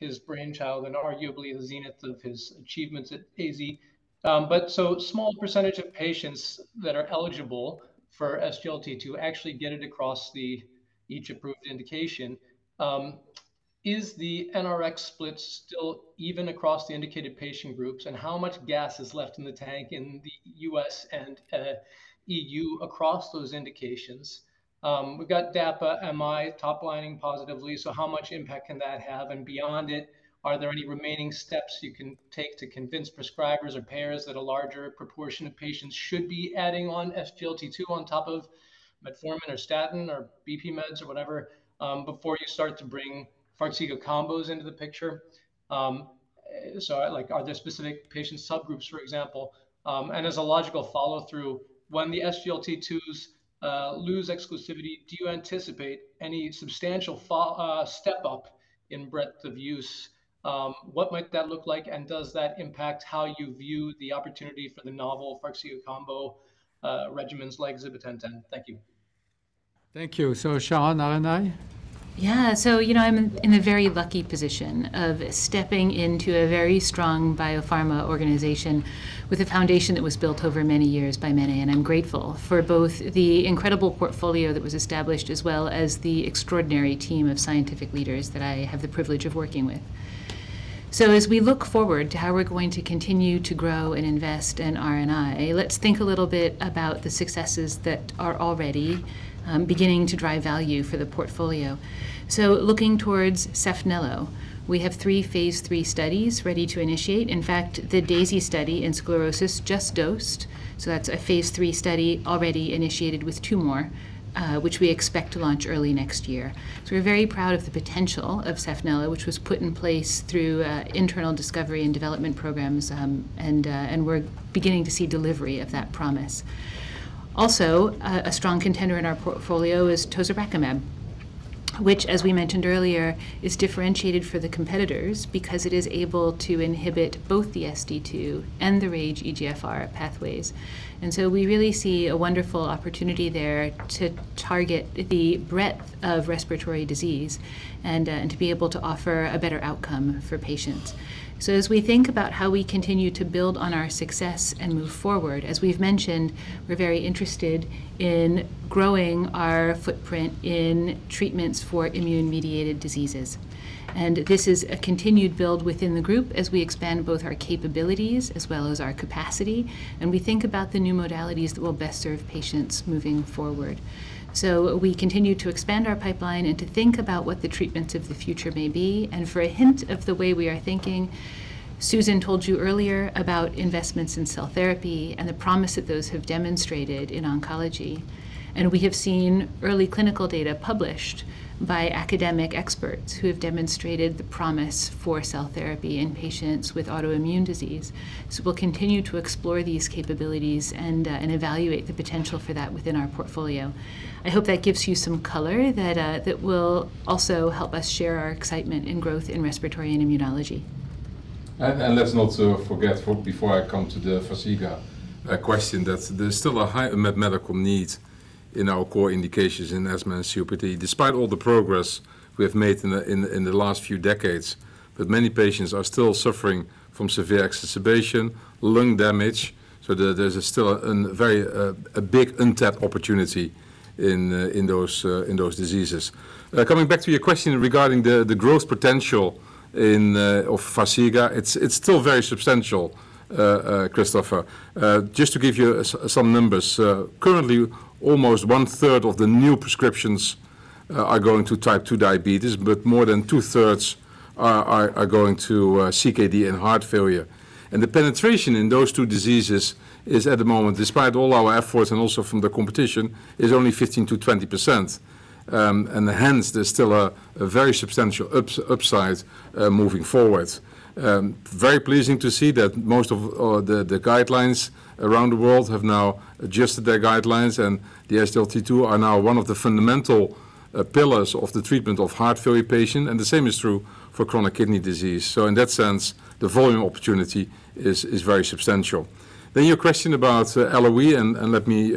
his brainchild and arguably the zenith of his achievements at AZ. But so small percentage of patients that are eligible for SGLT2 actually get it across each approved indication. Is the NRX split still even across the indicated patient groups, and how much gas is left in the tank in the US and EU across those indications? We've got DAPA-MI top-lining positively, so how much impact can that have? And beyond it, are there any remaining steps you can take to convince prescribers or payers that a larger proportion of patients should be adding on SGLT2 on top of metformin or statin or BP meds or whatever, before you start to bring Farxiga combos into the picture? So, like, are there specific patient subgroups, for example? And as a logical follow-through, when the SGLT2s lose exclusivity, do you anticipate any substantial step-up in breadth of use? What might that look like, and does that impact how you view the opportunity for the novel Farxiga combo regimens like zibotentan? Thank you. Thank you. So, Sharon, R&I? Yeah. So, you know, I'm in, in a very lucky position of stepping into a very strong biopharma organization with a foundation that was built over many years by Mene, and I'm grateful for both the incredible portfolio that was established, as well as the extraordinary team of scientific leaders that I have the privilege of working with. So as we look forward to how we're going to continue to grow and invest in RNI, let's think a little bit about the successes that are already beginning to drive value for the portfolio. So looking towards Sefnelo, we have three Phase III studies ready to initiate. In fact, the DAISY study in sclerosis just dosed, so that's a Phase III study already initiated with two more, which we expect to launch early next year. So we're very proud of the potential of sefnelo, which was put in place through internal discovery and development programs, and we're beginning to see delivery of that promise. Also, a strong contender in our portfolio is Tozorakimab, which, as we mentioned earlier, is differentiated for the competitors because it is able to inhibit both the ST2 and the RAGE EGFR pathways. And so we really see a wonderful opportunity there to target the breadth of respiratory disease and to be able to offer a better outcome for patients. So as we think about how we continue to build on our success and move forward, as we've mentioned, we're very interested in growing our footprint in treatments for immune-mediated diseases. This is a continued build within the group as we expand both our capabilities as well as our capacity, and we think about the new modalities that will best serve patients moving forward. So we continue to expand our pipeline and to think about what the treatments of the future may be, and for a hint of the way we are thinking, Susan told you earlier about investments in cell therapy and the promise that those have demonstrated in oncology. We have seen early clinical data published by academic experts who have demonstrated the promise for cell therapy in patients with autoimmune disease. So we'll continue to explore these capabilities and evaluate the potential for that within our portfolio. I hope that gives you some color that will also help us share our excitement in growth in respiratory and immunology. Let's not forget, before I come to the Farxiga question, that there's still a high medical need in our core indications in asthma and COPD, despite all the progress we have made in the last few decades. But many patients are still suffering from severe exacerbation, lung damage, so there's still a very a big untapped opportunity in those diseases. Coming back to your question regarding the growth potential in of Farxiga, it's still very substantial, Christopher. Just to give you some numbers. Currently, almost one-third of the new prescriptions are going to type two diabetes, but more than two-thirds are going to CKD and heart failure. The penetration in those two diseases is, at the moment, despite all our efforts and also from the competition, only 15%-20%. Hence, there's still a very substantial upside moving forward. Very pleasing to see that most of the guidelines around the world have now adjusted their guidelines, and the SGLT2 are now one of the fundamental pillars of the treatment of heart failure patient, and the same is true for chronic kidney disease. So in that sense, the volume opportunity is very substantial. Your question about LOE, and let me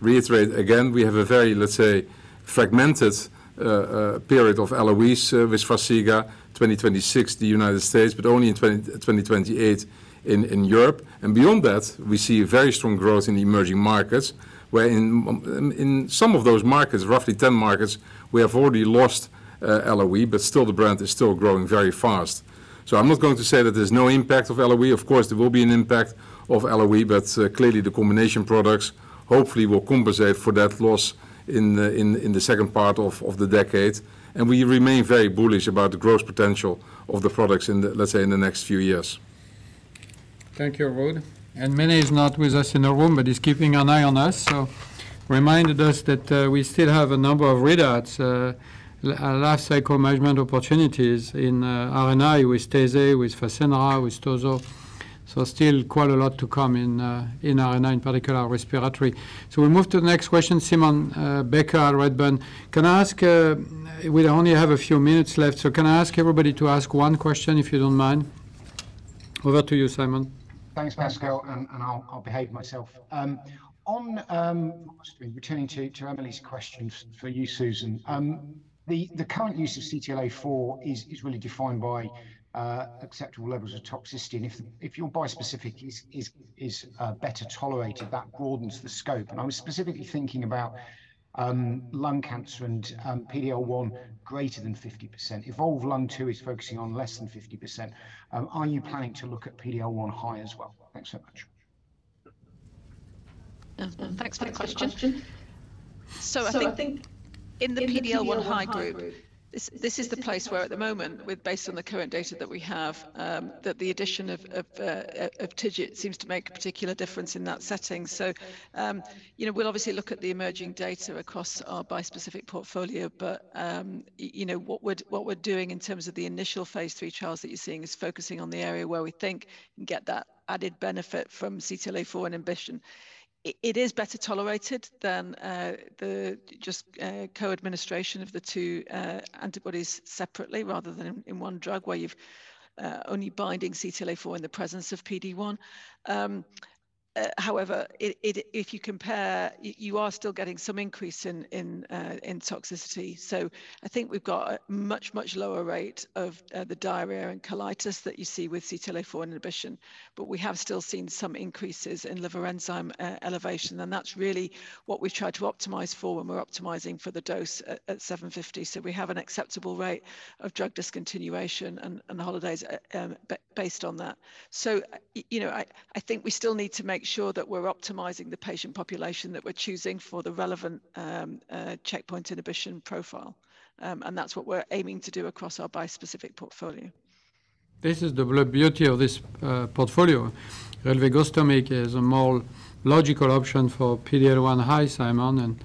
reiterate again, we have a very, let's say, fragmented period of LOE for Farxiga, 2026 in the United States, but only in 2028 in Europe. And beyond that, we see a very strong growth in the emerging markets, where in some of those markets, roughly ten markets, we have already lost LOE, but still the brand is still growing very fast. So I'm not going to say that there's no impact of LOE. Of course, there will be an impact of LOE, but clearly, the combination products-hopefully will compensate for that loss in the second part of the decade. We remain very bullish about the growth potential of the products in the, let's say, in the next few years. Thank you, Ruud. And Melanie is not with us in the room, but is keeping an eye on us, so reminded us that, we still have a number of readouts, last cycle management opportunities in, RNA with Tezspire, with Fasenra, with TOZO. So still quite a lot to come in, in RNA, in particular, respiratory. So we move to the next question, Simon Baker at Redburn. Can I ask, we only have a few minutes left, so can I ask everybody to ask one question, if you don't mind? Over to you, Simon. Thanks, Pascal, and I'll behave myself. On returning to Emily's questions for you, Susan. The current use of CTLA-4 is really defined by acceptable levels of toxicity, and if your bispecific is better tolerated, that broadens the scope. And I was specifically thinking about lung cancer and PD-L1 greater than 50%. Evolve Lung-2 is focusing on less than 50%. Are you planning to look at PD-L1 high as well? Thanks so much. Yeah. Thanks for the question. So I think in the PD-L1 high group, this is the place where, at the moment, with based on the current data that we have, that the addition of TIGIT seems to make a particular difference in that setting. So, you know, we'll obviously look at the emerging data across our bispecific portfolio, but, you know, what we're doing in terms of the initial Phase III trials that you're seeing is focusing on the area where we think get that added benefit from CTLA-4 and inhibition. It is better tolerated than the just co-administration of the two antibodies separately rather than in one drug, where you've only binding CTLA-4 in the presence of PD-1. However, if you compare, you are still getting some increase in toxicity. So I think we've got a much, much lower rate of the diarrhea and colitis that you see with CTLA-4 inhibition, but we have still seen some increases in liver enzyme elevation, and that's really what we've tried to optimize for when we're optimizing for the dose at 750. So we have an acceptable rate of drug discontinuation and holidays, based on that. So you know, I think we still need to make sure that we're optimizing the patient population that we're choosing for the relevant checkpoint inhibition profile. And that's what we're aiming to do across our bispecific portfolio. This is the beauty of this portfolio. Rilvegostomig is a more logical option for PD-L1 high, Simon,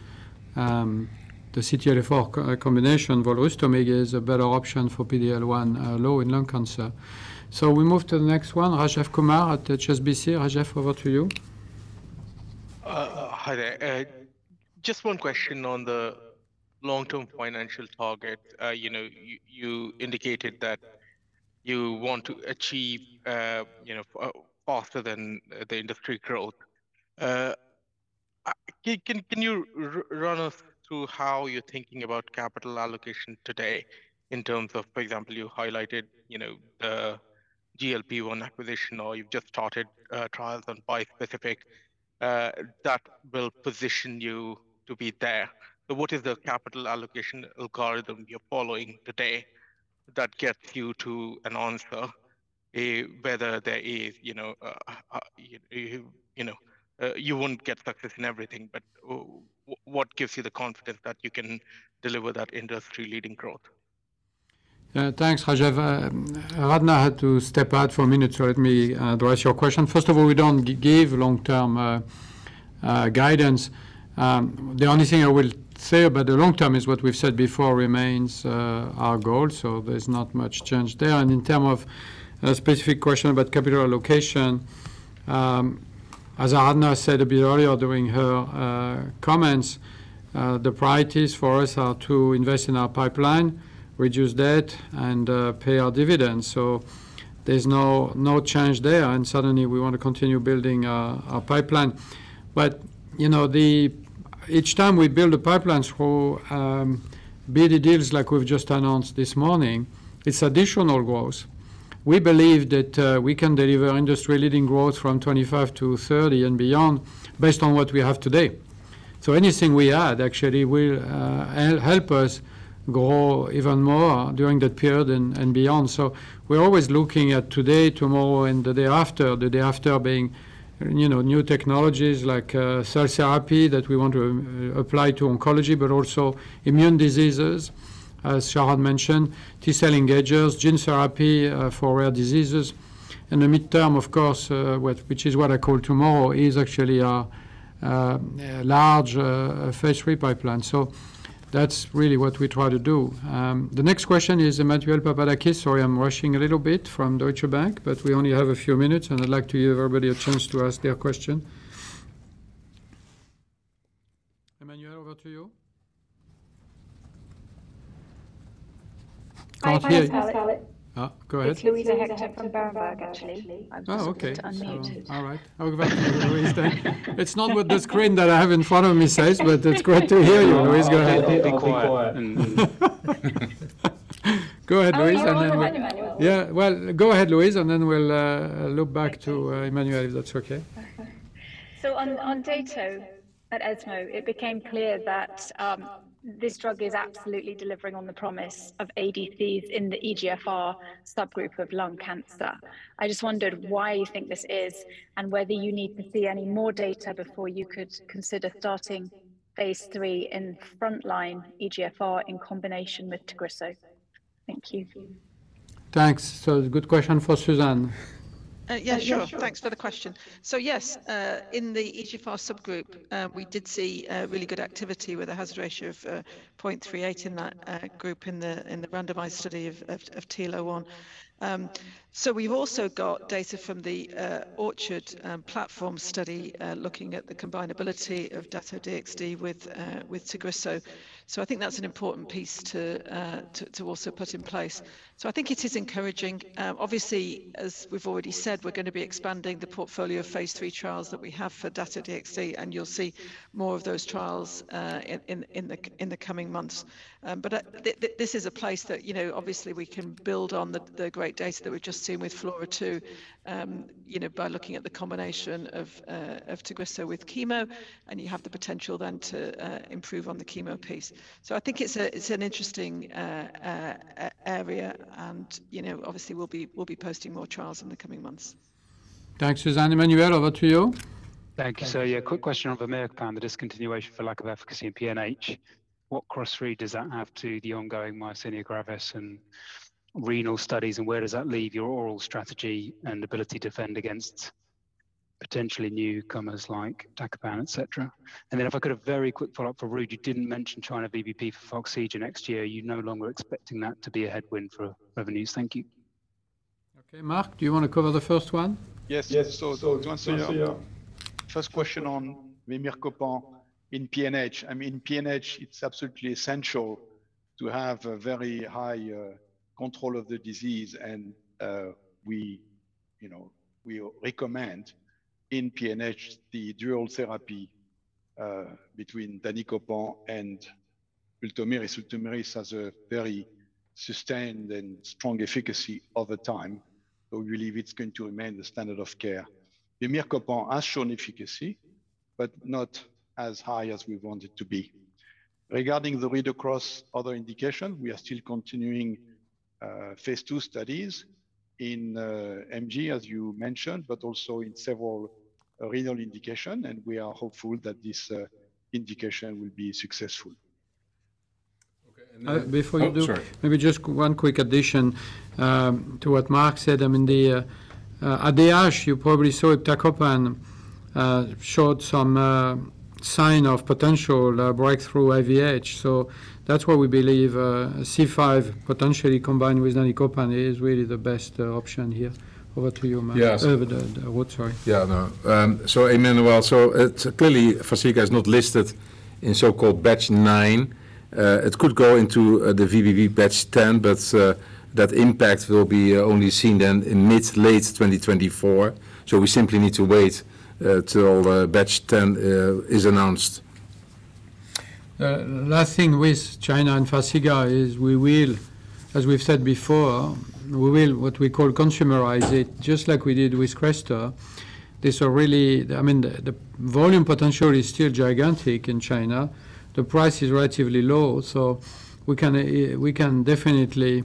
and the CTLA-4 combination for Volrustomig is a better option for PD-L1 low in lung cancer. So we move to the next one, Rajesh Kumar at HSBC. Rajesh, over to you. Hi there. Just one question on the long-term financial target. You know, you indicated that you want to achieve, you know, faster than the industry growth. Can you run us through how you're thinking about capital allocation today in terms of, for example, you highlighted, you know, the GLP-1 acquisition, or you've just started, trials on bispecific, that will position you to be there. So what is the capital allocation algorithm you're following today that gets you to an answer? Whether there is, you know, you won't get success in everything, but what gives you the confidence that you can deliver that industry-leading growth? Thanks, Rajesh. Aradhana had to step out for a minute, so let me address your question. First of all, we don't give long-term guidance. The only thing I will say about the long term is what we've said before remains our goal, so there's not much change there. And in terms of a specific question about capital allocation, as Aradhana said a bit earlier during her comments, the priorities for us are to invest in our pipeline, reduce debt, and pay our dividends. So there's no change there. And certainly, we want to continue building our pipeline. But, you know, each time we build a pipeline for bigger deals like we've just announced this morning, it's additional growth. We believe that we can deliver industry-leading growth from 25 to 30 and beyond, based on what we have today. So anything we add actually will help us grow even more during that period and, and beyond. So we're always looking at today, tomorrow, and the day after, the day after being, you know, new technologies like cell therapy that we want to apply to oncology, but also immune diseases, as Sharon mentioned, T-cell engagers, gene therapy for rare diseases. And the midterm, of course, which, which is what I call tomorrow, is actually our large Phase III pipeline. So that's really what we try to do. The next question is Emmanuel Papadakis. Sorry, I'm rushing a little bit from Deutsche Bank, but we only have a few minutes, and I'd like to give everybody a chance to ask their question. Emmanuel, over to you. Hi, Pascal- Ah, go ahead. It's Luisa Hector from Berenberg, actually. Oh, okay. I've just hit unmute. All right. I'll go back to Luisa then. It's not what the screen that I have in front of me says, but it's great to hear you, Louise. Go ahead. Be quiet. Go ahead, Luisa, and then we'll yeah, well, go ahead, Luisa, and then we'll look back to Emmanuel, if that's okay. Okay. So on data at ESMO, it became clear that this drug is absolutely delivering on the promise of ADCs in the EGFR subgroup of lung cancer. I just wondered why you think this is and whether you need to see any more data before you could consider starting a Phase III in frontline EGFR in combination with Tagrisso. Thank you. Thanks. So it's a good question for Susan. Yeah, sure. Yeah, sure. Thanks for the question. So yes, in the EGFR subgroup, we did see really good activity with a hazard ratio of 0.38 in that group in the randomized study of TL01. So we've also got data from the Orchard platform study looking at the combinability of Dato-DXd with Tagrisso. So I think that's an important piece to also put in place. So I think it is encouraging. Obviously, as we've already said, we're gonna be expanding the portfolio of Phase III trials that we have for Dato-DXd, and you'll see more of those trials in the coming months. But, this is a place that, you know, obviously we can build on the great data that we've just seen with FLAURA-2, you know, by looking at the combination of Tagrisso with chemo, and you have the potential then to improve on the chemo piece. So I think it's an interesting area, and, you know, obviously, we'll be posting more trials in the coming months. Thanks, Susan. Emmanuel, over to you. Thank you. So, yeah, a quick question on Vemircopan, the discontinuation for lack of efficacy in PNH. What cross read does that have to the ongoing myasthenia gravis and renal studies, and where does that leave your oral strategy and ability to defend against potentially newcomers like Iptacopan etc. And then if I could have a very quick follow-up for Ruud. You didn't mention China VBP for Forxiga next year. You're no longer expecting that to be a headwind for revenues. Thank you. Okay, Mark, do you wanna cover the first one? Yes. Yes. So, to answer your first question on Vemircopan in PNH. I mean, PNH, it's absolutely essential to have a very high control of the disease, and we, you know, we recommend in PNH the dual therapy between Danicopan and Ravulizumab. Ravulizumab has a very sustained and strong efficacy over time, so we believe it's going to remain the standard of care. Vemircopan has shown efficacy, but not as high as we want it to be. Regarding the read-across other indication, we are still continuing Phase II studies in MG, as you mentioned, but also in several renal indication, and we are hopeful that this indication will be successful. Okay, before you do. Oh, sorry. Maybe just one quick addition to what Mark said. I mean, at the ASH, you probably saw Tacopen showed some sign of potential breakthrough aHUS. So that's why we believe C5, potentially combined with danicopan, is really the best option here. Over to you, Mark. Yes. Ruud, sorry. Yeah, no. So Emmanuel, so it's clearly Farxiga is not listed in so-called Batch 9. It could go into the VBP Batch 10, but that impact will be only seen then in mid-late 2024. So we simply need to wait till the Batch 10 is announced. Last thing with China and Farxiga is we will, as we've said before, we will, what we call consumerize it, just like we did with Crestor. These are really I mean, the, the volume potential is still gigantic in China. The price is relatively low, so we can, we can definitely,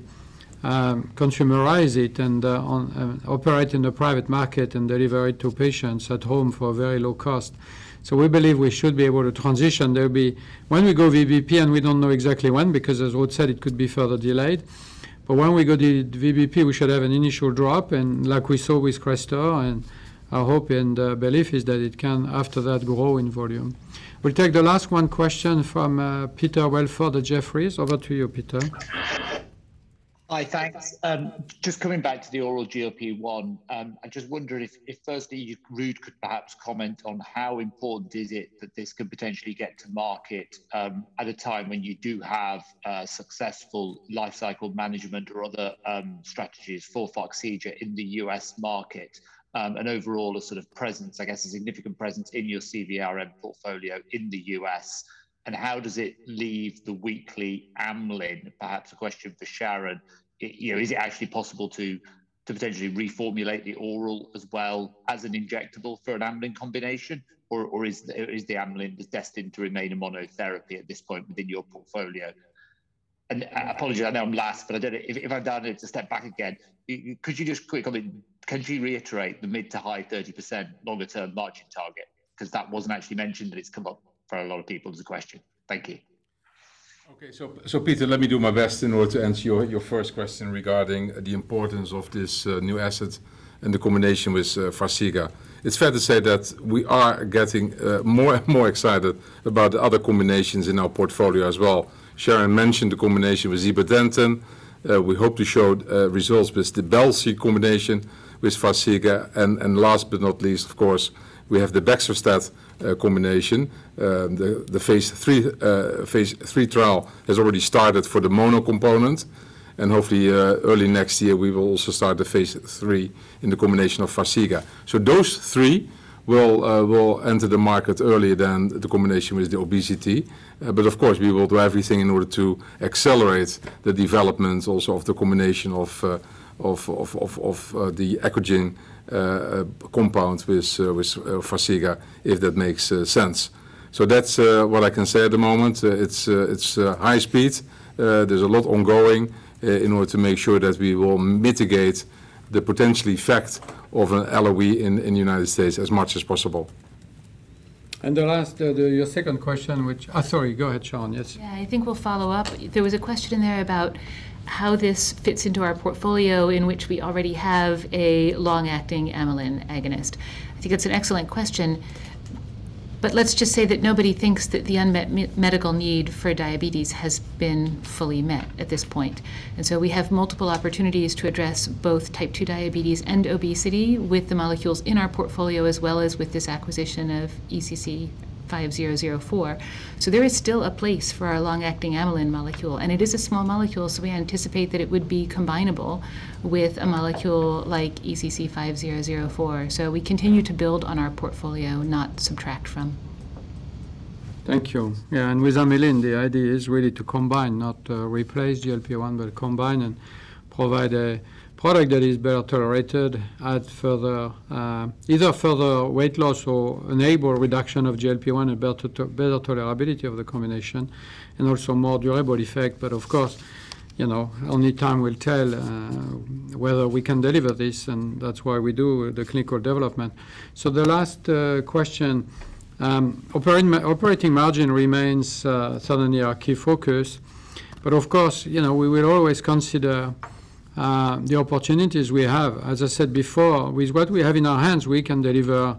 consumerize it and, on, operate in the private market and deliver it to patients at home for a very low cost. So we believe we should be able to transition. There'll be, when we go VBP, and we don't know exactly when, because as we said, it could be further delayed, but when we go to VBP, we should have an initial drop, and like we saw with Crestor, and our hope and, belief is that it can, after that, grow in volume. We'll take the last one question from, Peter Welford at Jefferies. Over to you, Peter. Hi, thanks. Just coming back to the oral GLP-1, I just wonder if, firstly, Ruud could perhaps comment on how important is it that this could potentially get to market, at a time when you do have a successful life cycle management or other strategies for Farxiga in the US market, and overall, a sort of presence, I guess, a significant presence in your CVRM portfolio in the US? And how does it leave the weekly amylin? Perhaps a question for Sharon. You know, is it actually possible to potentially reformulate the oral as well as an injectable for an amylin combination, or is the amylin destined to remain a monotherapy at this point within your portfolio? Apologies, I know I'm last, but I don't know if I've done it to step back again. Could you just quickly comment? Can you reiterate the mid- to high 30% longer-term margin target? 'Cause that wasn't actually mentioned, but it's come up for a lot of people as a question. Thank you. Okay, Peter, let me do my best in order to answer your first question regarding the importance of this new asset and the combination with Farxiga. It's fair to say that we are getting more excited about the other combinations in our portfolio as well. Sharon mentioned the combination with zibotentan. We hope to show results with the Belci combination with Farxiga, and last but not least, of course, we have the baxdrostat combination. The Phase III trial has already started for the mono component, and hopefully, early next year, we will also start the Phase III in the combination of Farxiga. Those three will enter the market earlier than the combination with the obesity. But of course, we will do everything in order to accelerate the development also of the combination of the Echosens compound with Farxiga, if that makes sense. So that's what I can say at the moment. It's high speed. There's a lot ongoing in order to make sure that we will mitigate the potential effect of an LOE in the United States as much as possible. And the last, your second question, which—sorry, go ahead, Sharon. Yes? Yeah, I think we'll follow up. There was a question in there about how this fits into our portfolio, in which we already have a long-acting amylin agonist. I think it's an excellent question, but let's just say that nobody thinks that the unmet medical need for diabetes has been fully met at this point. And so we have multiple opportunities to address both type 2 diabetes and obesity with the molecules in our portfolio, as well as with this acquisition of ECC5004. So there is still a place for our long-acting amylin molecule, and it is a small molecule, so we anticipate that it would be combinable with a molecule like ECC5004. We continue to build on our portfolio, not subtract from. Thank you. Yeah, and with Amylin, the idea is really to combine, not replace GLP-1, but combine and provide a product that is better tolerated, add further either further weight loss or enable reduction of GLP-1 and better better tolerability of the combination, and also more durable effect. But of course, you know, only time will tell whether we can deliver this, and that's why we do the clinical development. So the last question, operating margin remains certainly our key focus. But of course, you know, we will always consider the opportunities we have. As I said before, with what we have in our hands, we can deliver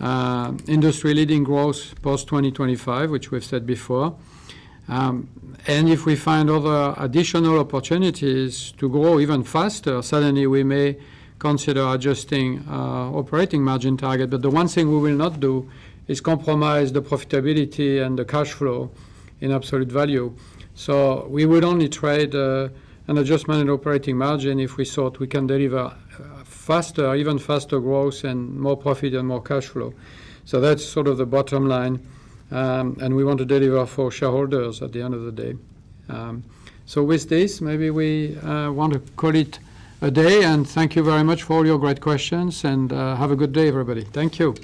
industry-leading growth post-2025, which we've said before. And if we find other additional opportunities to grow even faster, certainly we may consider adjusting operating margin target. But the one thing we will not do is compromise the profitability and the cash flow in absolute value. So we would only trade an adjustment in operating margin if we thought we can deliver faster, even faster growth and more profit and more cash flow. So that's sort of the bottom line, and we want to deliver for shareholders at the end of the day. So with this, maybe we want to call it a day. And thank you very much for all your great questions, and have a good day, everybody. Thank you!